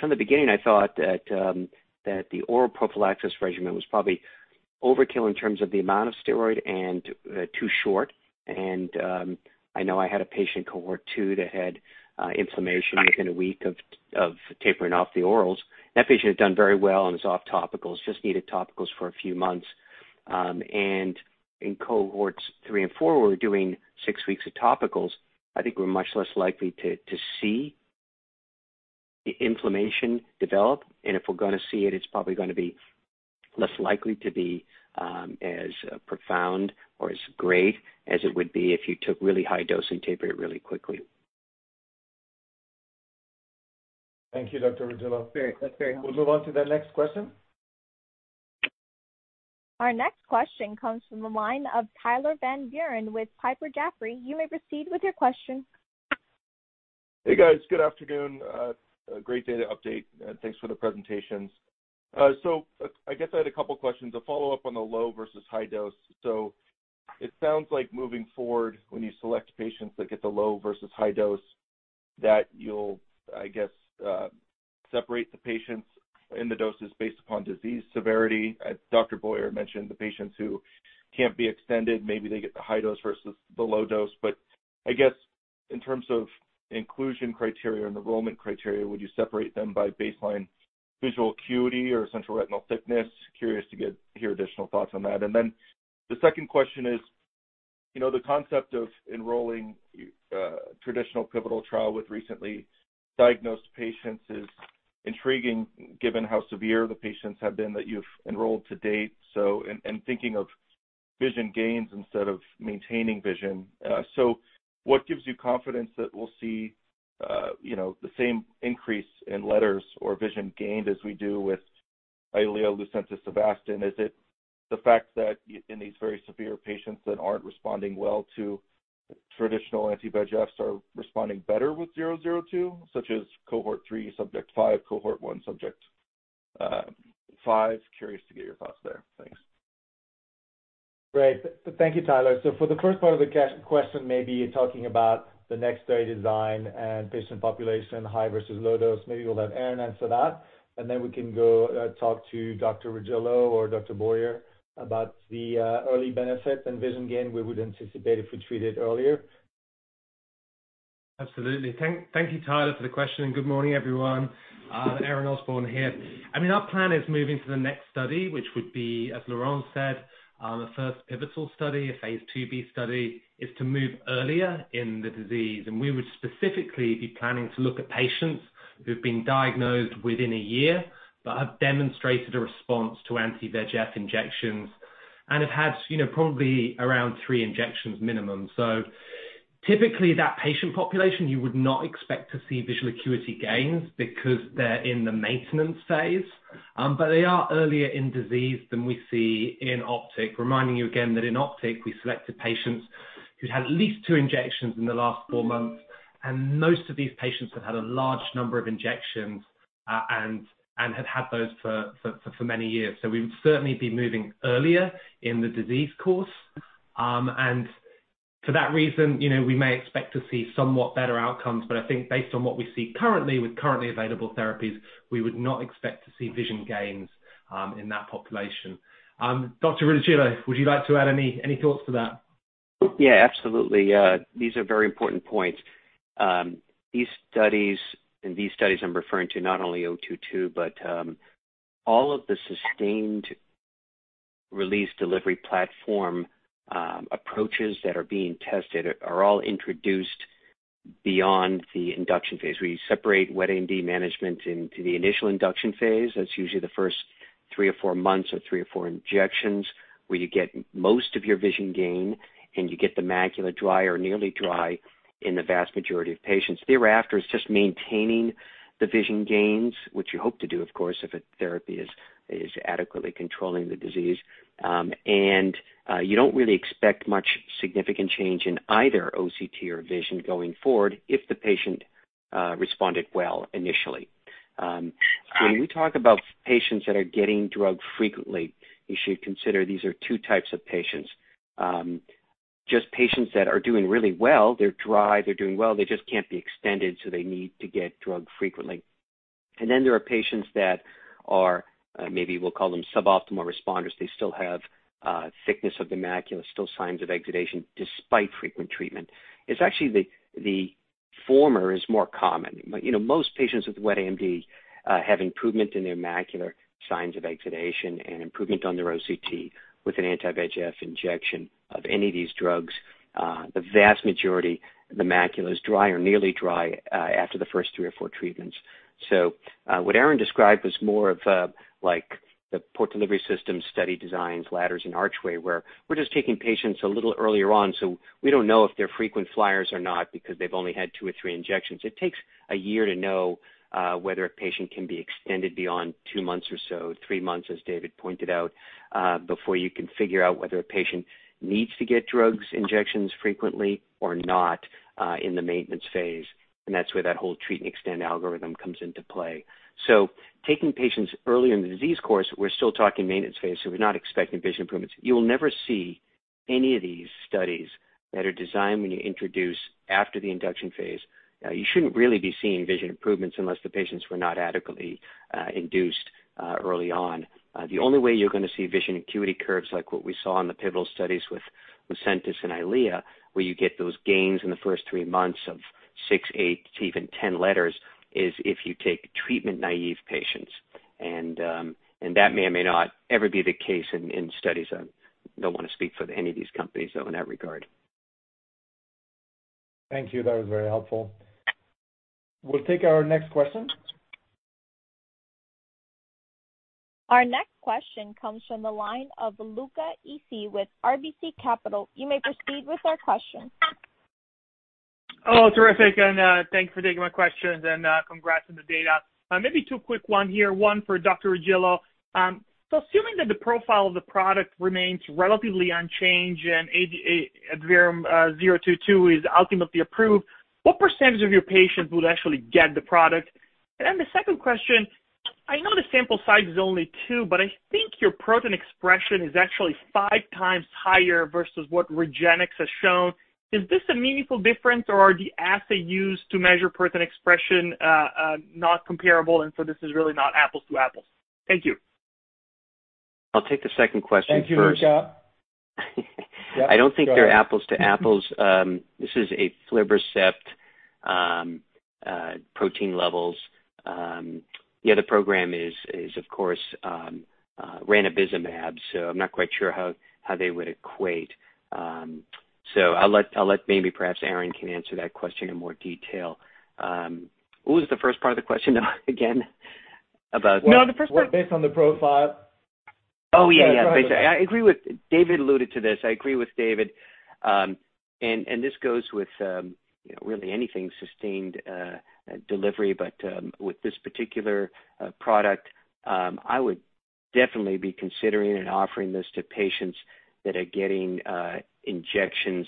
D: From the beginning, I thought that the oral prophylaxis regimen was probably overkill in terms of the amount of steroid and too short. I know I had a patient in Cohort 2 that had inflammation within a week of tapering off the orals. That patient had done very well and is off topicals, just needed topicals for a few months. In Cohorts 3 and 4, we're doing six weeks of topicals. I think we're much less likely to see the inflammation develop. If we're going to see it's probably going to be less likely to be as profound or as great as it would be if you took really high dose and taper it really quickly.
C: Thank you, Dr. Regillo.
G: Great. That's very helpful.
C: We'll move on to the next question.
A: Our next question comes from the line of Tyler Van Buren with Piper Sandler. You may proceed with your question.
H: Hey, guys. Good afternoon. Great data update, thanks for the presentations. I guess I had a couple questions. A follow-up on the low versus high dose. It sounds like moving forward, when you select patients that get the low versus high dose, that you'll, I guess, separate the patients in the doses based upon disease severity. As Dr. Boyer mentioned, the patients who can't be extended, maybe they get the high dose versus the low dose. I guess in terms of inclusion criteria and enrollment criteria, would you separate them by baseline visual acuity or central retinal thickness? Curious to hear additional thoughts on that. The second question is, the concept of enrolling a traditional pivotal trial with recently diagnosed patients is intriguing given how severe the patients have been that you've enrolled to date. In thinking of vision gains instead of maintaining vision. What gives you confidence that we'll see the same increase in letters or vision gained as we do with EYLEA, Lucentis, Avastin? Is it the fact that in these very severe patients that aren't responding well to traditional anti-VEGFs are responding better with ADVM-022, such as Cohort 3, subject 5, Cohort 1, subject 5? Curious to get your thoughts there. Thanks.
C: Great. Thank you, Tyler. For the first part of the question, maybe talking about the next study design and patient population, high versus low dose. Maybe we'll have Aaron answer that, and then we can go talk to Dr. Regillo or Dr. Boyer about the early benefits and vision gain we would anticipate if we treat it earlier.
I: Absolutely. Thank you, Tyler, for the question. Good morning, everyone. Aaron Osborne here. Our plan is moving to the next study, which would be, as Laurent said, a first pivotal study, a phase II-B study, is to move earlier in the disease. We would specifically be planning to look at patients who've been diagnosed within a year but have demonstrated a response to anti-VEGF injections and have had probably around three injections minimum. Typically, that patient population, you would not expect to see visual acuity gains because they're in the maintenance phase. They are earlier in disease than we see in OPTIC, reminding you again that in OPTIC, we selected patients who'd had at least two injections in the last four months, and most of these patients have had a large number of injections and have had those for many years. We would certainly be moving earlier in the disease course. For that reason, we may expect to see somewhat better outcomes. I think based on what we see currently with currently available therapies, we would not expect to see vision gains in that population. Dr. Regillo, would you like to add any thoughts to that?
D: Yeah, absolutely. These are very important points. These studies, and these studies I'm referring to not only ADVM-022, but all of the sustained release delivery platform approaches that are being tested are all introduced beyond the induction phase, where you separate wet AMD management into the initial induction phase. That's usually the first three or four months or three or four injections, where you get most of your vision gain, and you get the macula dry or nearly dry in the vast majority of patients. Thereafter, it's just maintaining the vision gains, which you hope to do, of course, if a therapy is adequately controlling the disease. You don't really expect much significant change in either OCT or vision going forward if the patient responded well initially. When we talk about patients that are getting drug frequently, you should consider these are two types of patients. Patients that are doing really well. They're dry, they're doing well. They just can't be extended, so they need to get drug frequently. There are patients that are, maybe we'll call them suboptimal responders. They still have thickness of the macula, still signs of exudation despite frequent treatment. It's actually the former is more common. Most patients with wet AMD have improvement in their macular signs of exudation and improvement on their OCT with an anti-VEGF injection of any of these drugs. The vast majority of the macula is dry or nearly dry after the first three or four treatments. What Aaron described was more of the Port Delivery System study designs, LADDER, and ARCHWAY, where we're just taking patients a little earlier on, so we don't know if they're frequent flyers or not because they've only had two or three injections. It takes a year to know whether a patient can be extended beyond two months or so, three months, as David pointed out, before you can figure out whether a patient needs to get drugs, injections frequently or not, in the maintenance phase. That's where that whole treat and extend algorithm comes into play. Taking patients early in the disease course, we're still talking maintenance phase, so we're not expecting vision improvements. You will never see any of these studies that are designed when you introduce after the induction phase. You shouldn't really be seeing vision improvements unless the patients were not adequately induced early on. The only way you're going to see vision acuity curves like what we saw in the pivotal studies with Lucentis and EYLEA, where you get those gains in the first three months of six, eight to even 10 letters, is if you take treatment-naive patients. That may or may not ever be the case in studies. I don't want to speak for any of these companies, though, in that regard.
C: Thank you. That was very helpful. We'll take our next question.
A: Our next question comes from the line of Luca Issi with RBC Capital Markets. You may proceed with your question.
J: Oh, terrific, and thanks for taking my questions and congrats on the data. Maybe two quick one here. One for Dr. Regillo. Assuming that the profile of the product remains relatively unchanged and ADVM-022 is ultimately approved, what percentage of your patients will actually get the product? The second question, I know the sample size is only two, but I think your protein expression is actually five times higher versus what REGENXBIO has shown. Is this a meaningful difference or are the assay used to measure protein expression not comparable and so this is really not apples to apples? Thank you.
D: I'll take the second question first.
C: Thank you, Luca. Yep, go ahead.
D: I don't think they're apples to apples. This is an aflibercept protein levels. The other program is, of course, ranibizumab, so I'm not quite sure how they would equate. I'll let maybe perhaps Aaron can answer that question in more detail. What was the first part of the question, though, again.
J: No, the first part-
C: Based on the profile.
D: Oh, yeah. I agree with David alluded to this. I agree with David. This goes with really anything sustained delivery. With this particular product, I would definitely be considering and offering this to patients that are getting injections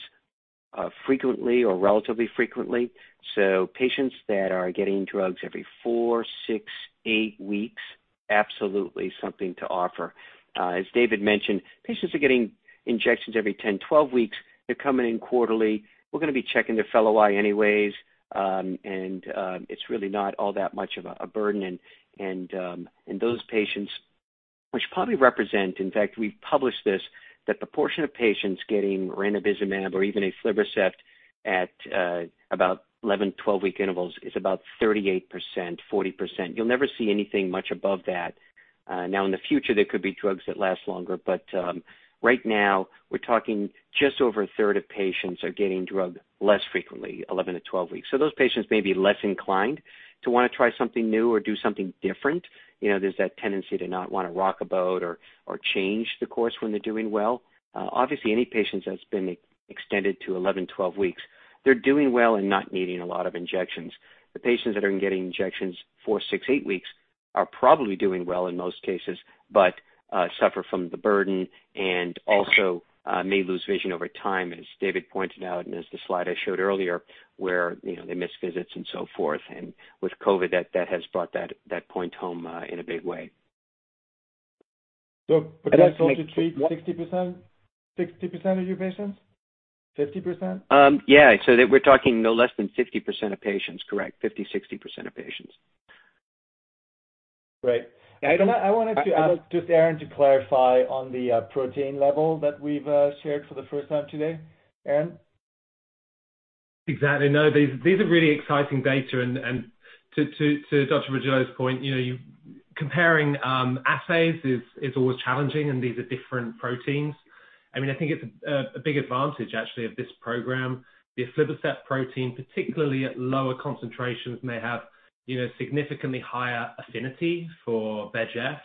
D: frequently or relatively frequently. Patients that are getting drugs every four, six, eight weeks, absolutely something to offer. As David mentioned, patients are getting injections every 10, 12 weeks. They're coming in quarterly. We're going to be checking their fellow eye anyways. It's really not all that much of a burden. Those patients, which probably represent, in fact, we've published this, that the portion of patients getting ranibizumab or even aflibercept at about 11, 12 week intervals is about 38%, 40%. You'll never see anything much above that. In the future, there could be drugs that last longer, but right now we're talking just over a third of patients are getting drug less frequently, 11-12 weeks. Those patients may be less inclined to want to try something new or do something different. There's that tendency to not want to rock a boat or change the course when they're doing well. Obviously, any patients that's been extended to 11-12 weeks, they're doing well and not needing a lot of injections. The patients that are getting injections four, six, eight weeks are probably doing well in most cases, but suffer from the burden and also may lose vision over time, as David pointed out and as the slide I showed earlier, where they miss visits and so forth. With COVID, that has brought that point home in a big way.
C: Potentially treat 60% of your patients, 50%?
D: Yeah. We're talking no less than 50% of patients, correct. 50%, 60% of patients.
C: Great. I wanted to ask Aaron to clarify on the protein level that we've shared for the first time today. Aaron?
I: Exactly. No, these are really exciting data. To Dr. Regillo's point, comparing assays is always challenging, and these are different proteins. I think it's a big advantage, actually, of this program. The aflibercept protein, particularly at lower concentrations, may have significantly higher affinity for VEGF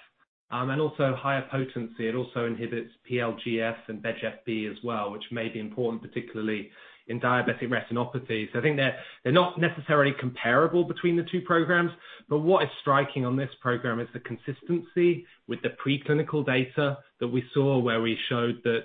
I: and also higher potency. It also inhibits PLGF and VEGF-B as well, which may be important, particularly in diabetic retinopathy. I think they're not necessarily comparable between the two programs. What is striking on this program is the consistency with the preclinical data that we saw, where we showed that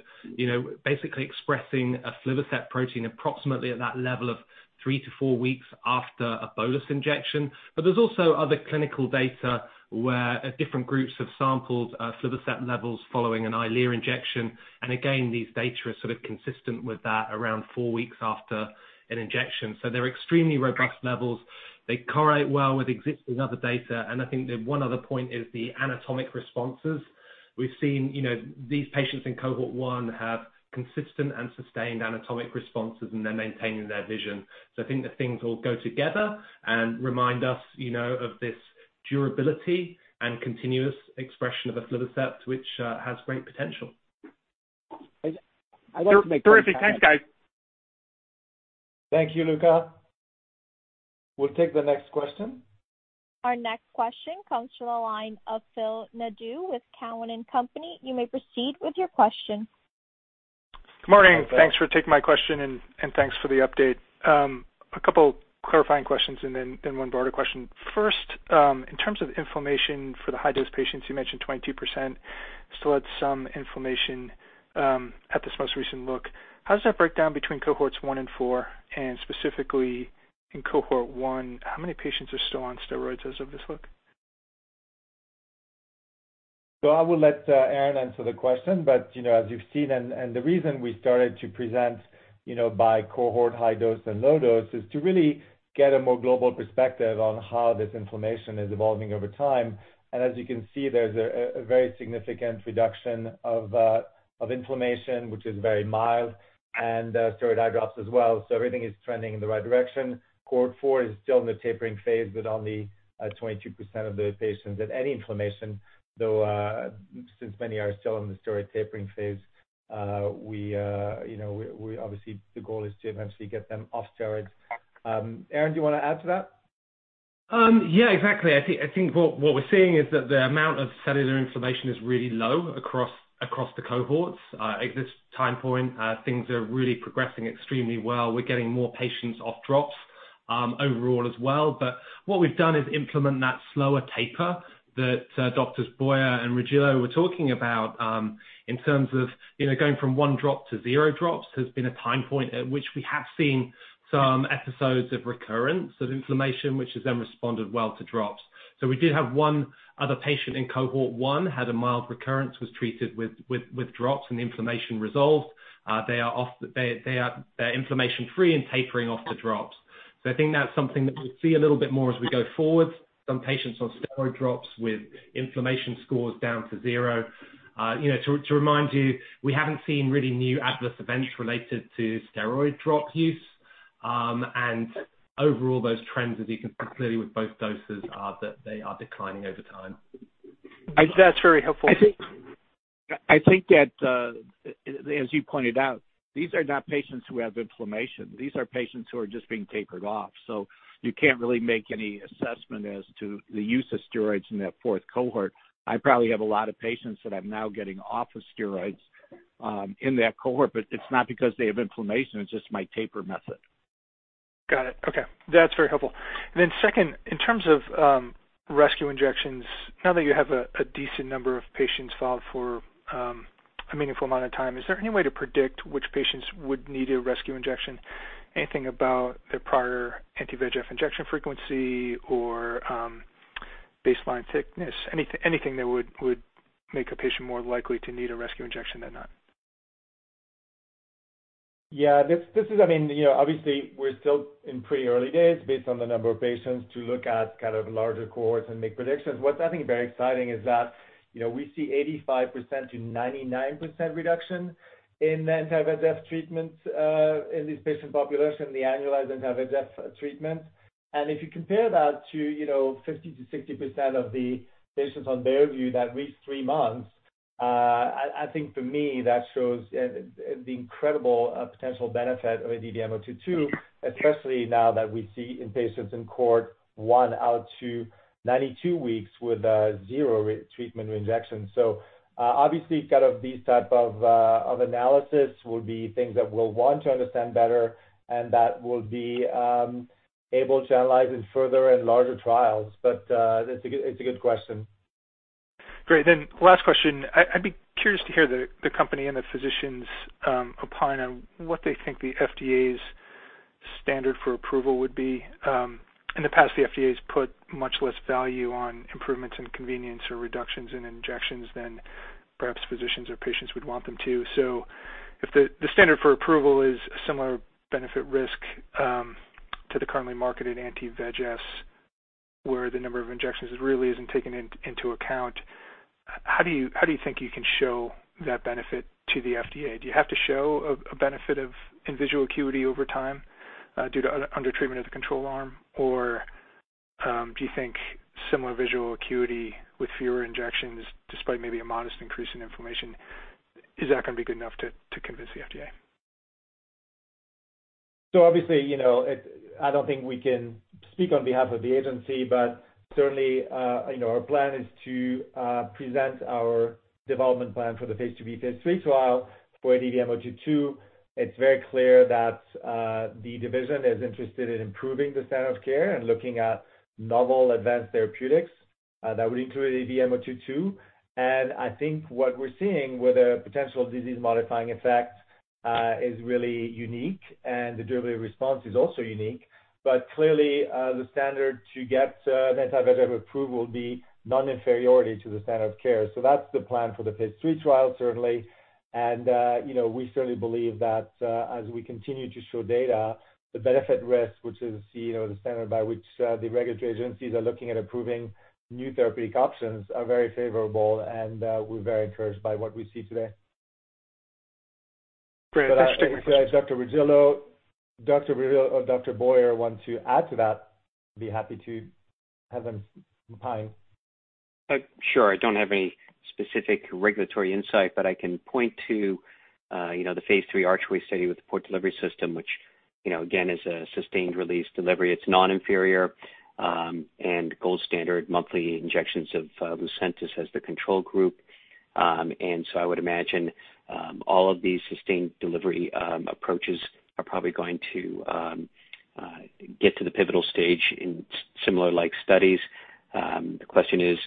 I: basically expressing aflibercept protein approximately at that level of three to four weeks after a bolus injection. There's also other clinical data where different groups have sampled aflibercept levels following an EYLEA injection. Again, these data are sort of consistent with that around four weeks after an injection. They're extremely robust levels. They correlate well with existing other data. I think the one other point is the anatomic responses. We've seen these patients in Cohort 1 have consistent and sustained anatomic responses, and they're maintaining their vision. I think the things all go together and remind us of this durability and continuous expression of aflibercept, which has great potential.
J: Terrific. Thanks, guys.
C: Thank you, Luca. We'll take the next question.
A: Our next question comes from the line of Phil Nadeau with Cowen and Company. You may proceed with your question.
K: Good morning.
C: Hi, Phil.
K: Thanks for taking my question, and thanks for the update. A couple clarifying questions and then one broader question. First, in terms of inflammation for the high-dose patients, you mentioned 22% still had some inflammation at this most recent look. How does that break down between Cohorts 1 and 4? Specifically in Cohort 1, how many patients are still on steroids as of this look?
C: I will let Aaron answer the question. As you've seen, and the reason we started to present by cohort high dose and low dose, is to really get a more global perspective on how this inflammation is evolving over time. As you can see, there's a very significant reduction of inflammation, which is very mild, and steroid eye drops as well. Everything is trending in the right direction. Cohort 4 is still in the tapering phase, with only 22% of the patients with any inflammation, though since many are still in the steroid tapering phase, obviously the goal is to eventually get them off steroids. Aaron, do you want to add to that?
I: Yeah, exactly. I think what we're seeing is that the amount of cellular inflammation is really low across the cohorts. At this time point, things are really progressing extremely well. We're getting more patients off drops overall as well. What we've done is implement that slower taper that Doctors Boyer and Regillo were talking about in terms of going from one drop to zero drops has been a time point at which we have seen some episodes of recurrence of inflammation, which has then responded well to drops. We did have one other patient in Cohort 1, had a mild recurrence, was treated with drops, and the inflammation resolved. They are inflammation-free and tapering off the drops. I think that's something that we'll see a little bit more as we go forward. Some patients on steroid drops with inflammation scores down to zero. To remind you, we haven't seen really new adverse events related to steroid drop use. Overall, those trends, as you can see clearly with both doses, are that they are declining over time.
K: That's very helpful.
F: I think that, as you pointed out, these are not patients who have inflammation. These are patients who are just being tapered off. You can't really make any assessment as to the use of steroids in that fourth cohort. I probably have a lot of patients that I'm now getting off of steroids in that cohort, but it's not because they have inflammation. It's just my taper method.
K: Got it. Okay. That's very helpful. Second, in terms of rescue injections, now that you have a decent number of patients followed for a meaningful amount of time, is there any way to predict which patients would need a rescue injection? Anything about their prior anti-VEGF injection frequency or baseline thickness? Anything that would make a patient more likely to need a rescue injection than not?
C: Yeah. Obviously, we're still in pretty early days based on the number of patients to look at kind of larger cohorts and make predictions. What I think is very exciting is that we see 85%-99% reduction in anti-VEGF treatments in this patient population, the annualized anti-VEGF treatment. If you compare that to 50%-60% of the patients on Beovu that reach three months, I think for me, that shows the incredible potential benefit of ADVM-022, especially now that we see in patients in Cohort 1 out to 92 weeks with zero treatment reinjections. Obviously, these type of analysis will be things that we'll want to understand better and that we'll be able to analyze in further and larger trials. It's a good question.
K: Great. Last question. I'd be curious to hear the company and the physicians opine on what they think the FDA's standard for approval would be. In the past, the FDA has put much less value on improvements in convenience or reductions in injections than perhaps physicians or patients would want them to. If the standard for approval is a similar benefit/risk to the currently marketed anti-VEGF where the number of injections really isn't taken into account. How do you think you can show that benefit to the FDA? Do you have to show a benefit in visual acuity over time due to under-treatment of the control arm? Do you think similar visual acuity with fewer injections, despite maybe a modest increase in inflammation, is that going to be good enough to convince the FDA?
C: Obviously, I don't think we can speak on behalf of the agency, but certainly our plan is to present our development plan for the phase II, phase III trial for ADVM-022. It's very clear that the division is interested in improving the standard of care and looking at novel advanced therapeutics. That would include ADVM-022. I think what we're seeing with a potential disease-modifying effect is really unique, and the durability response is also unique. Clearly, the standard to get an anti-VEGF approval would be non-inferiority to the standard of care. That's the plan for the phase III trial, certainly. We certainly believe that as we continue to show data, the benefit risk, which is the standard by which the regulatory agencies are looking at approving new therapeutic options, are very favorable. We're very encouraged by what we see today.
K: Great. Thanks for taking my questions.
C: If Dr. Regillo or Dr. Boyer want to add to that, I'd be happy to have them chime in.
D: Sure. I don't have any specific regulatory insight, but I can point to the phase III ARCHWAY study with the Port Delivery System, which again, is a sustained-release delivery. It's non-inferior and gold standard monthly injections of Lucentis as the control group. I would imagine all of these sustained delivery approaches are probably going to get to the pivotal stage in similar studies. The question is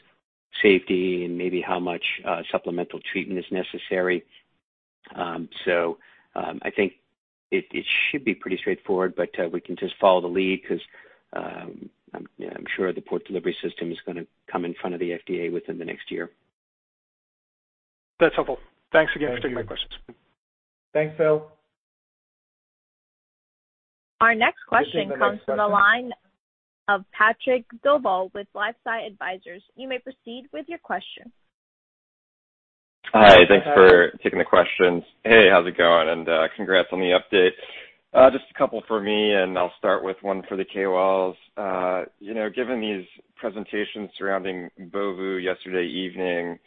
D: safety and maybe how much supplemental treatment is necessary. I think it should be pretty straightforward, but we can just follow the lead because I'm sure the Port Delivery System is going to come in front of the FDA within the next year.
K: That's helpful. Thanks again for taking my questions.
C: Thanks, Phil.
A: Our next question comes from the line of Patrick Dolezal with LifeSci Capital. You may proceed with your question.
L: Hi. Thanks for taking the questions. Hey, how's it going? Congrats on the update. Just a couple for me, and I'll start with one for the KOLs. Given these presentations surrounding Beovu yesterday evening,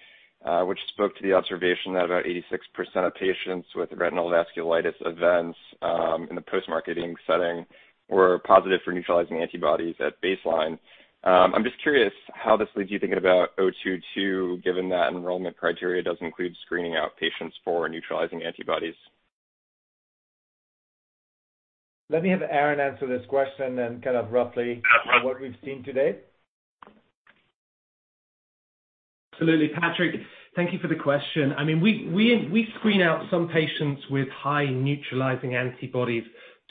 L: which spoke to the observation that about 86% of patients with retinal vasculitis events in the post-marketing setting were positive for neutralizing antibodies at baseline. I'm just curious how this leaves you thinking about ADVM-022, given that enrollment criteria does include screening out patients for neutralizing antibodies.
C: Let me have Aaron answer this question and roughly what we've seen to date.
I: Absolutely, Patrick. Thank you for the question. We screen out some patients with high neutralizing antibodies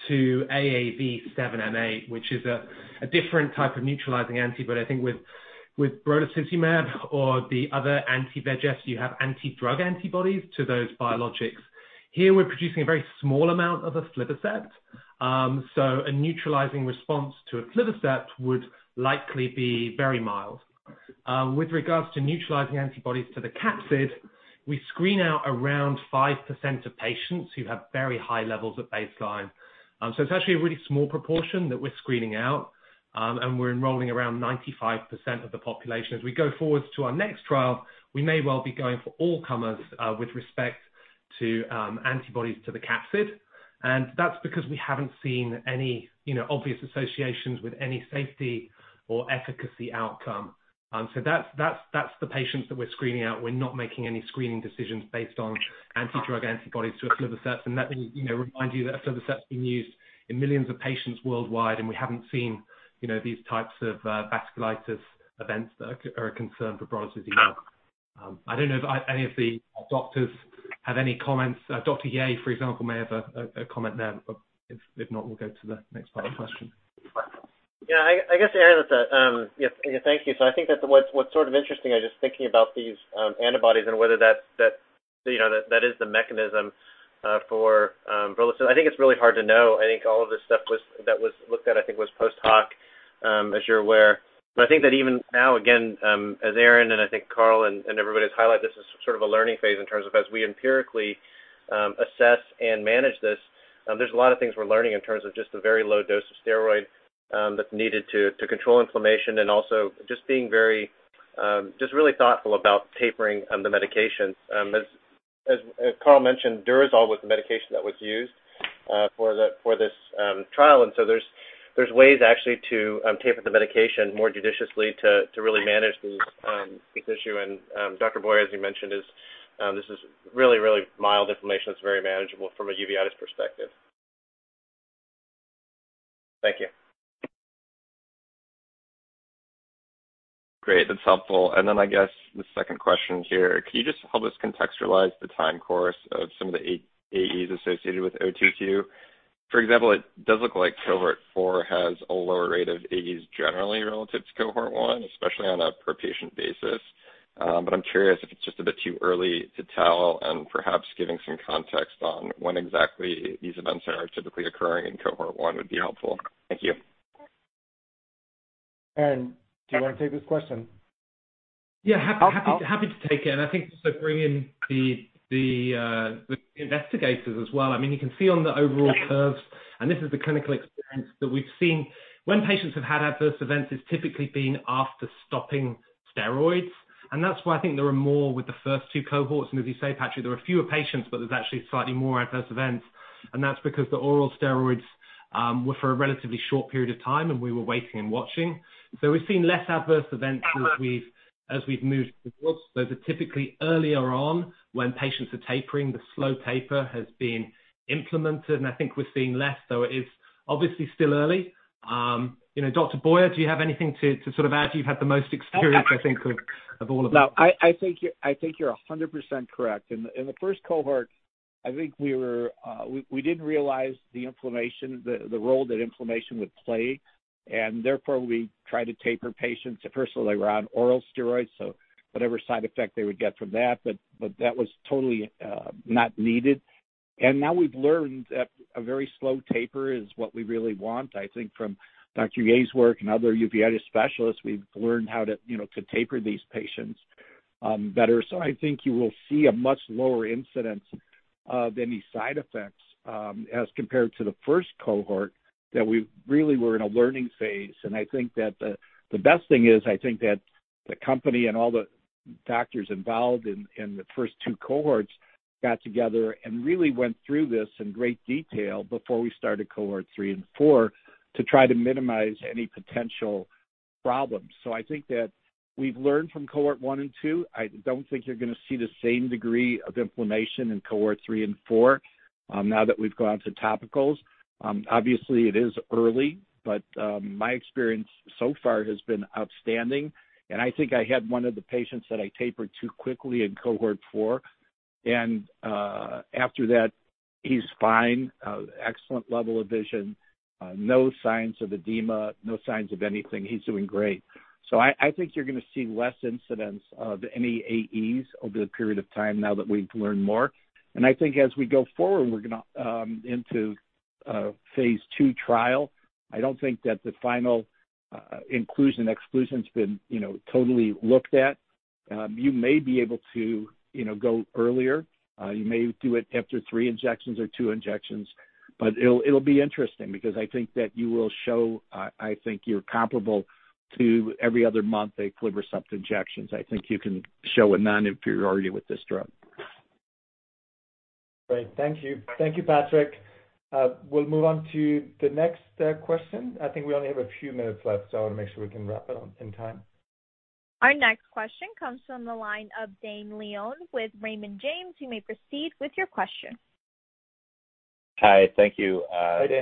I: to AAV2.7m8, which is a different type of neutralizing antibody. I think with brolucizumab or the other anti-VEGFs, you have anti-drug antibodies to those biologics. Here we're producing a very small amount of aflibercept, a neutralizing response to aflibercept would likely be very mild. With regards to neutralizing antibodies to the capsid, we screen out around 5% of patients who have very high levels at baseline. It's actually a really small proportion that we're screening out, and we're enrolling around 95% of the population. As we go forward to our next trial, we may well be going for all comers with respect to antibodies to the capsid. That's because we haven't seen any obvious associations with any safety or efficacy outcome. That's the patients that we're screening out. We're not making any screening decisions based on anti-drug antibodies to aflibercept. That will remind you that aflibercept's being used in millions of patients worldwide, and we haven't seen these types of vasculitis events that are a concern for brolucizumab. I don't know if any of the doctors have any comments. Dr. Yeh, for example, may have a comment there. If not, we'll go to the next part of the question.
E: I guess to add to that. Thank you. I think that what's sort of interesting, I'm just thinking about these antibodies and whether that is the mechanism for brolucizumab. I think it's really hard to know. I think all of this stuff that was looked at, I think, was post hoc, as you're aware. I think that even now, again, as Aaron and I think Carl and everybody has highlighted, this is sort of a learning phase in terms of as we empirically assess and manage this. There's a lot of things we're learning in terms of just the very low dose of steroid that's needed to control inflammation and also just being very, just really thoughtful about tapering the medications. As Carl mentioned, Durezol was the medication that was used for this trial. There's ways actually to taper the medication more judiciously to really manage this issue. Dr. Boyer, as you mentioned, this is really mild inflammation that's very manageable from a uveitis perspective. Thank you.
L: Great. That's helpful. I guess the second question here, can you just help us contextualize the time course of some of the AEs associated with ADVM-022? For example, it does look like Cohort 4 has a lower rate of AEs generally relative to Cohort 1, especially on a per-patient basis. I'm curious if it's just a bit too early to tell and perhaps giving some context on when exactly these events are typically occurring in Cohort 1 would be helpful. Thank you.
C: Aaron, do you want to take this question?
I: Happy to take it, I think also bring in the investigators as well. You can see on the overall curves, this is the clinical experience that we've seen, when patients have had adverse events, it's typically been after stopping steroids, that's why I think there are more with the first two cohorts. As you say, Patrick, there are fewer patients, there's actually slightly more adverse events, that's because the oral steroids were for a relatively short period of time, we were waiting and watching. We've seen less adverse events as we've moved forwards. Those are typically earlier on when patients are tapering. The slow taper has been implemented, I think we're seeing less, though it is obviously still early. Dr. Boyer, do you have anything to add? You've had the most experience, I think, of all of us.
F: I think you're 100% correct. In the first cohort, I think we didn't realize the inflammation, the role that inflammation would play, and therefore we tried to taper patients. At first they were on oral steroids, so whatever side effect they would get from that, but that was totally not needed. Now we've learned that a very slow taper is what we really want. I think from Dr. Yeh's work and other uveitis specialists, we've learned how to taper these patients better. I think you will see a much lower incidence of any side effects as compared to the first cohort, that we really were in a learning phase. I think that the best thing is, I think that the company and all the doctors involved in the first two cohorts got together and really went through this in great detail before we started Cohort 3 and 4 to try to minimize any potential problems. I think that we've learned from Cohort 1 and 2. I don't think you're going to see the same degree of inflammation in Cohort 3 and 4 now that we've gone to topicals. Obviously, it is early, but my experience so far has been outstanding, and I think I had one of the patients that I tapered too quickly in Cohort 4, and after that, he's fine. Excellent level of vision. No signs of edema, no signs of anything. He's doing great. I think you're going to see less incidence of any AEs over the period of time now that we've learned more, I think as we go forward, we're going to into phase II trial. I don't think that the final inclusion/exclusion's been totally looked at. You may be able to go earlier. You may do it after three injections or two injections, it'll be interesting because I think that you will show, I think you're comparable to every other month a aflibercept injections. I think you can show a non-inferiority with this drug.
C: Great. Thank you. Thank you, Patrick. We'll move on to the next question. I think we only have a few minutes left, so I want to make sure we can wrap it in time.
A: Our next question comes from the line of Dane Leone with Raymond James. You may proceed with your question.
M: Hi. Thank you.
C: Hi, Dane.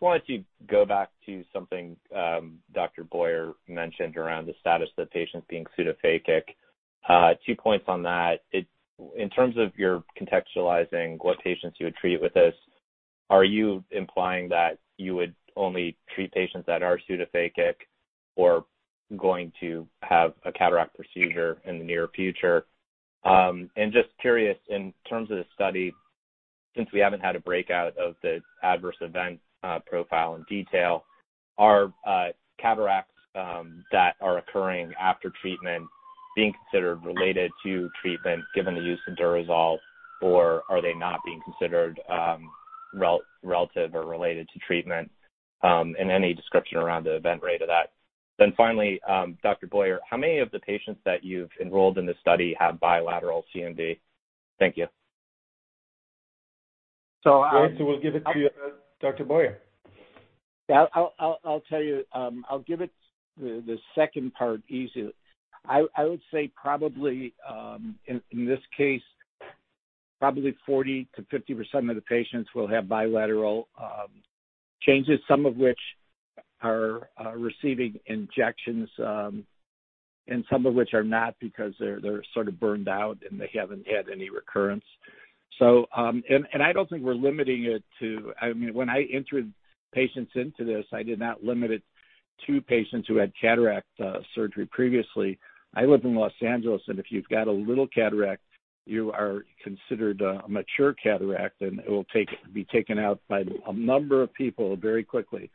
M: Wanted to go back to something Dr. Boyer mentioned around the status of the patients being pseudophakic. Two points on that. In terms of your contextualizing what patients you would treat with this, are you implying that you would only treat patients that are pseudophakic or going to have a cataract procedure in the near future? Curious in terms of the study, since we haven't had a breakout of the adverse event profile in detail, are cataracts that are occurring after treatment being considered related to treatment given the use of Durezol, or are they not being considered relative or related to treatment? Any description around the event rate of that. Finally, Dr. Boyer, how many of the patients that you've enrolled in this study have bilateral AMD? Thank you.
C: Great. We'll give it to you, Dr. Boyer.
F: I'll tell you. I'll give it the second part easily. I would say probably, in this case, probably 40%-50% of the patients will have bilateral changes, some of which are receiving injections and some of which are not because they're sort of burned out and they haven't had any recurrence. I don't think we're limiting it to-- When I entered patients into this, I did not limit it to patients who had cataract surgery previously. I live in Los Angeles, and if you've got a little cataract, you are considered a mature cataract, and it will be taken out by a number of people very quickly.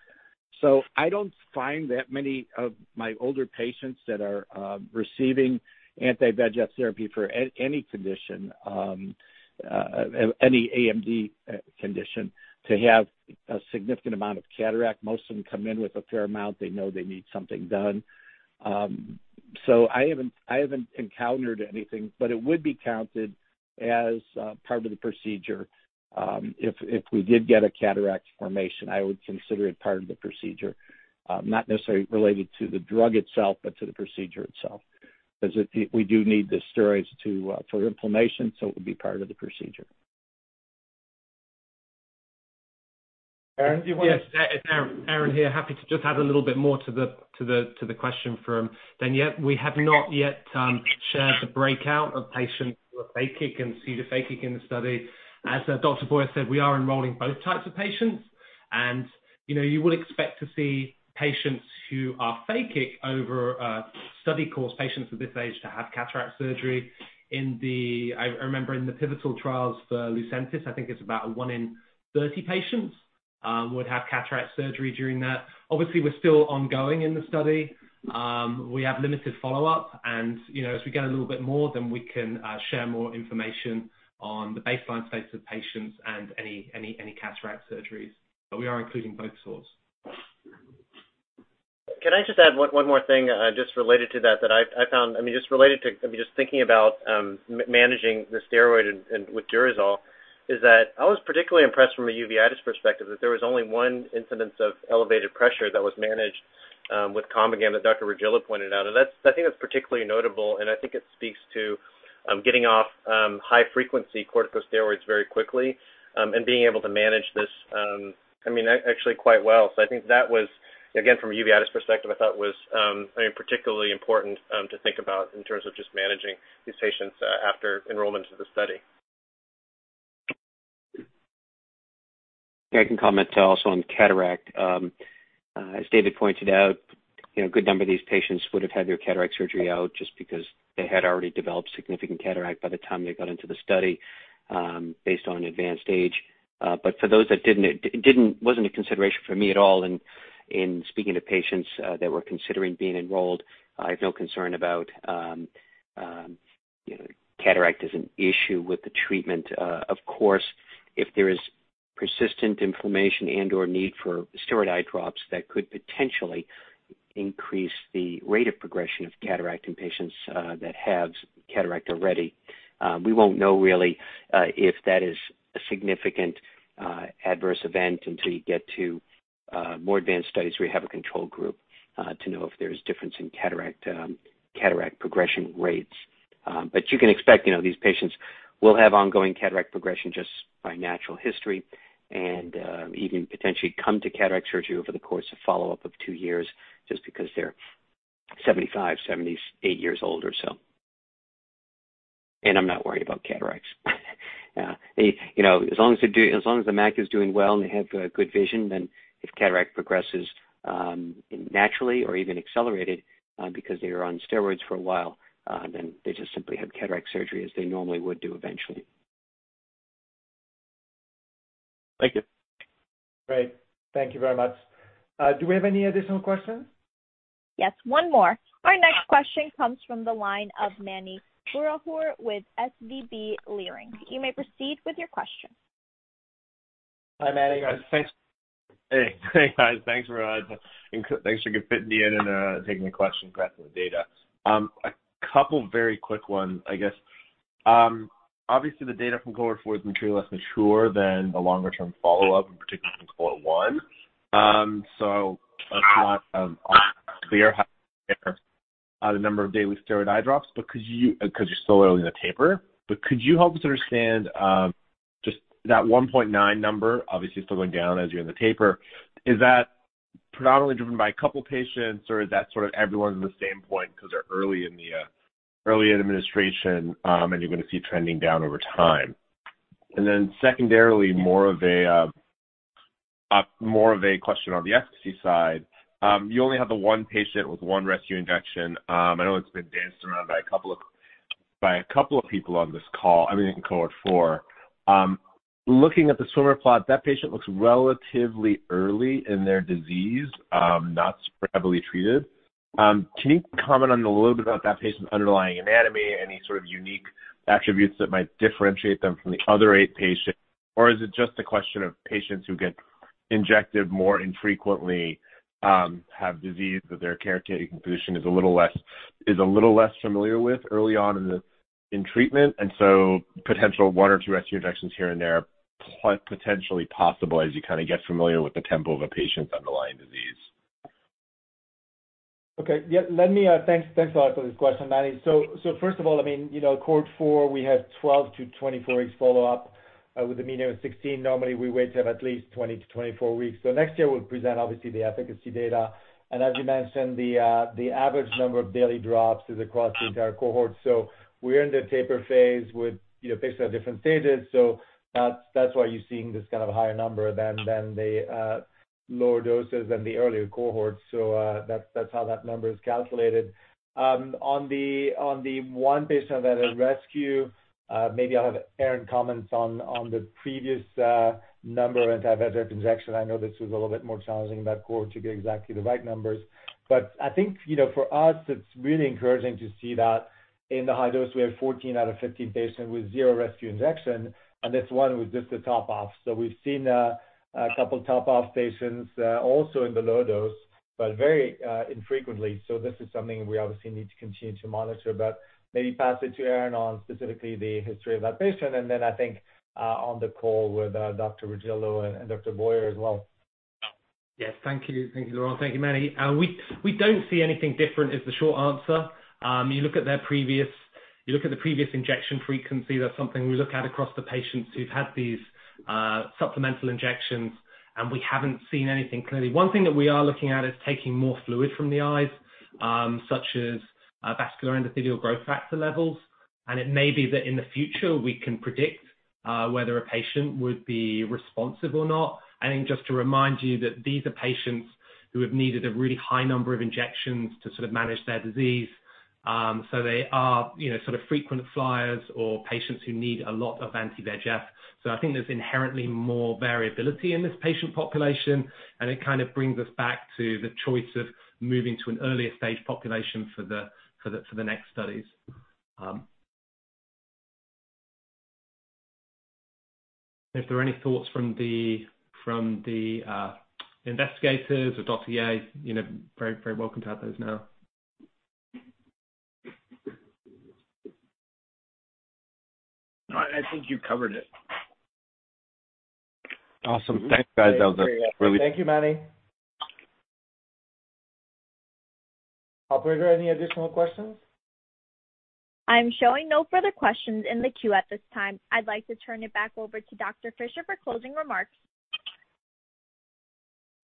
F: I don't find that many of my older patients that are receiving anti-VEGF therapy for any condition, any AMD condition, to have a significant amount of cataract. Most of them come in with a fair amount. They know they need something done. I haven't encountered anything, but it would be counted as part of the procedure. If we did get a cataract formation, I would consider it part of the procedure. Not necessarily related to the drug itself, but to the procedure itself, because we do need the steroids for inflammation, so it would be part of the procedure.
C: Aaron, do you want to.
I: Yes. It's Aaron here. Happy to just add a little bit more to the question from Dane. We have not yet shared the breakout of patients who are phakic and pseudophakic in the study. As Dr. Boyer said, we are enrolling both types of patients, and you would expect to see patients who are phakic over a study course, patients of this age to have cataract surgery. I remember in the pivotal trials for Lucentis, I think it's about one in 30 patients would have cataract surgery during that. Obviously, we're still ongoing in the study. We have limited follow-up and as we get a little bit more, then we can share more information on the baseline states of patients and any cataract surgeries, but we are including both sorts.
E: Can I just add one more thing just related to that, just thinking about managing the steroid with Durezol, is that I was particularly impressed from a uveitis perspective that there was only one incidence of elevated pressure that was managed with Combigan that Dr. Regillo pointed out. I think that's particularly notable, and I think it speaks to getting off high-frequency corticosteroids very quickly and being able to manage this actually quite well. I think that was, again, from a uveitis perspective, I thought was particularly important to think about in terms of just managing these patients after enrollment into the study.
D: Yeah, I can comment also on cataract. As David pointed out, a good number of these patients would have had their cataract surgery out just because they had already developed significant cataract by the time they got into the study, based on advanced age. For those that didn't, it wasn't a consideration for me at all in speaking to patients that were considering being enrolled. I have no concern about cataract as an issue with the treatment. Of course, if there is persistent inflammation and/or need for steroid eye drops, that could potentially increase the rate of progression of cataract in patients that have cataract already. We won't know really if that is a significant adverse event until you get to more advanced studies where you have a control group to know if there is difference in cataract progression rates. You can expect these patients will have ongoing cataract progression just by natural history and even potentially come to cataract surgery over the course of follow-up of two years just because they're 75, 78 years old or so. I'm not worried about cataracts. As long as the mac is doing well and they have good vision, then if cataract progresses naturally or even accelerated because they were on steroids for a while, then they just simply have cataract surgery as they normally would do eventually.
M: Thank you.
C: Great. Thank you very much. Do we have any additional questions?
A: Yes, one more. Our next question comes from the line of Mani Foroohar with SVB Leerink. You may proceed with your question.
C: Hi, Mani.
N: Hey, guys. Thanks, Laurent. Thanks for fitting me in and taking a question regarding the data. A couple of very quick ones, I guess. Obviously, the data from Cohort 4 is materially less mature than a longer-term follow-up, in particular from Cohort 1. That's not clear how the number of daily steroid eye drops, because you're still early in the taper. Could you help us understand just that 1.9 number, obviously still going down as you're in the taper. Is that predominantly driven by a couple of patients, or is that everyone's at the same point because they're early in administration, and you're going to see trending down over time? Secondarily, more of a question on the efficacy side. You only have the one patient with one rescue injection. I know it's been danced around by a couple of people on this call. I mean, in Cohort 4, looking at the swimmer plot, that patient looks relatively early in their disease, not heavily treated. Can you comment on a little bit about that patient's underlying anatomy, any sort of unique attributes that might differentiate them from the other eight patients? Or is it just a question of patients who get injected more infrequently have disease that their caretaking physician is a little less familiar with early on in treatment, and so potential one or two rescue injections here and there are potentially possible as you get familiar with the tempo of a patient's underlying disease.
C: Okay. Thanks a lot for this question, Mani. First of all, Cohort 4, we had 12-24 weeks follow-up with a median of 16. Normally, we wait to have at least 20-24 weeks. Next year, we'll present, obviously, the efficacy data. As you mentioned, the average number of daily drops is across the entire cohort. We're in the taper phase with patients at different stages. That's why you're seeing this higher number than the lower doses in the earlier cohorts. That's how that number is calculated. On the one patient that had a rescue, maybe I'll have Aaron comment on the previous number of anti-VEGF injection. I know this was a little bit more challenging in that cohort to get exactly the right numbers. I think for us, it's really encouraging to see that in the high dose, we have 14 out of 15 patients with zero rescue injection, and this one was just a top-off. We've seen a couple of top-off patients also in the low dose, but very infrequently. This is something we obviously need to continue to monitor, but maybe pass it to Aaron on specifically the history of that patient, and then I think on the call with Dr. Regillo and Dr. Boyer as well.
I: Thank you, Laurent. Thank you, Mani. We don't see anything different is the short answer. You look at the previous injection frequency, that's something we look at across the patients who've had these supplemental injections, and we haven't seen anything clearly. One thing that we are looking at is taking more fluid from the eyes, such as vascular endothelial growth factor levels. It may be that in the future, we can predict whether a patient would be responsive or not. I think just to remind you that these are patients who have needed a really high number of injections to manage their disease. They are frequent flyers or patients who need a lot of anti-VEGF. I think there's inherently more variability in this patient population, and it brings us back to the choice of moving to an earlier stage population for the next studies. If there are any thoughts from the investigators or Dr. Yeh, very welcome to have those now.
F: No, I think you covered it.
N: Awesome. Thanks, guys.
C: Thank you, Mani. Operator, any additional questions?
A: I'm showing no further questions in the queue at this time. I'd like to turn it back over to Dr. Fischer for closing remarks.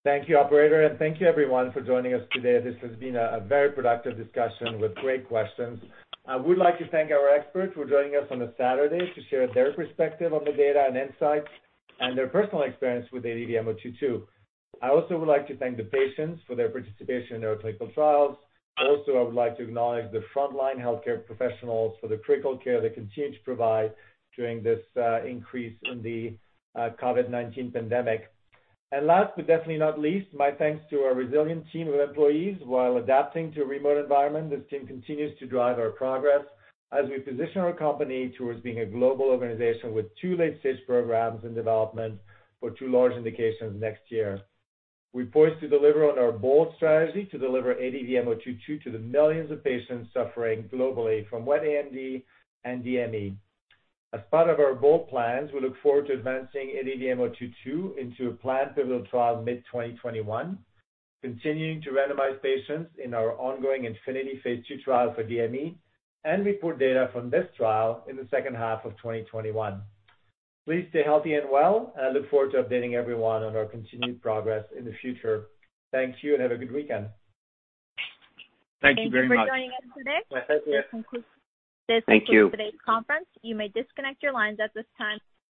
C: Thank you, operator. Thank you everyone for joining us today. This has been a very productive discussion with great questions. I would like to thank our experts for joining us on a Saturday to share their perspective on the data and insights and their personal experience with ADVM-022. I also would like to thank the patients for their participation in our clinical trials. Also, I would like to acknowledge the frontline healthcare professionals for the critical care they continue to provide during this increase in the COVID-19 pandemic. Last but definitely not least, my thanks to our resilient team of employees. While adapting to a remote environment, this team continues to drive our progress as we position our company towards being a global organization with two late-stage programs in development for two large indications next year. We're poised to deliver on our bold strategy to deliver ADVM-022 to the millions of patients suffering globally from wet AMD and DME. As part of our bold plans, we look forward to advancing ADVM-022 into a planned pivotal trial mid-2021, continuing to randomize patients in our ongoing INFINITY Phase II trial for DME, and report data from this trial in the second half of 2021. Please stay healthy and well, and I look forward to updating everyone on our continued progress in the future. Thank you and have a good weekend.
F: Thank you very much.
A: Thank you for joining us today.
C: My pleasure.
A: This concludes today's conference.
I: Thank you.
A: You may disconnect your lines at this time.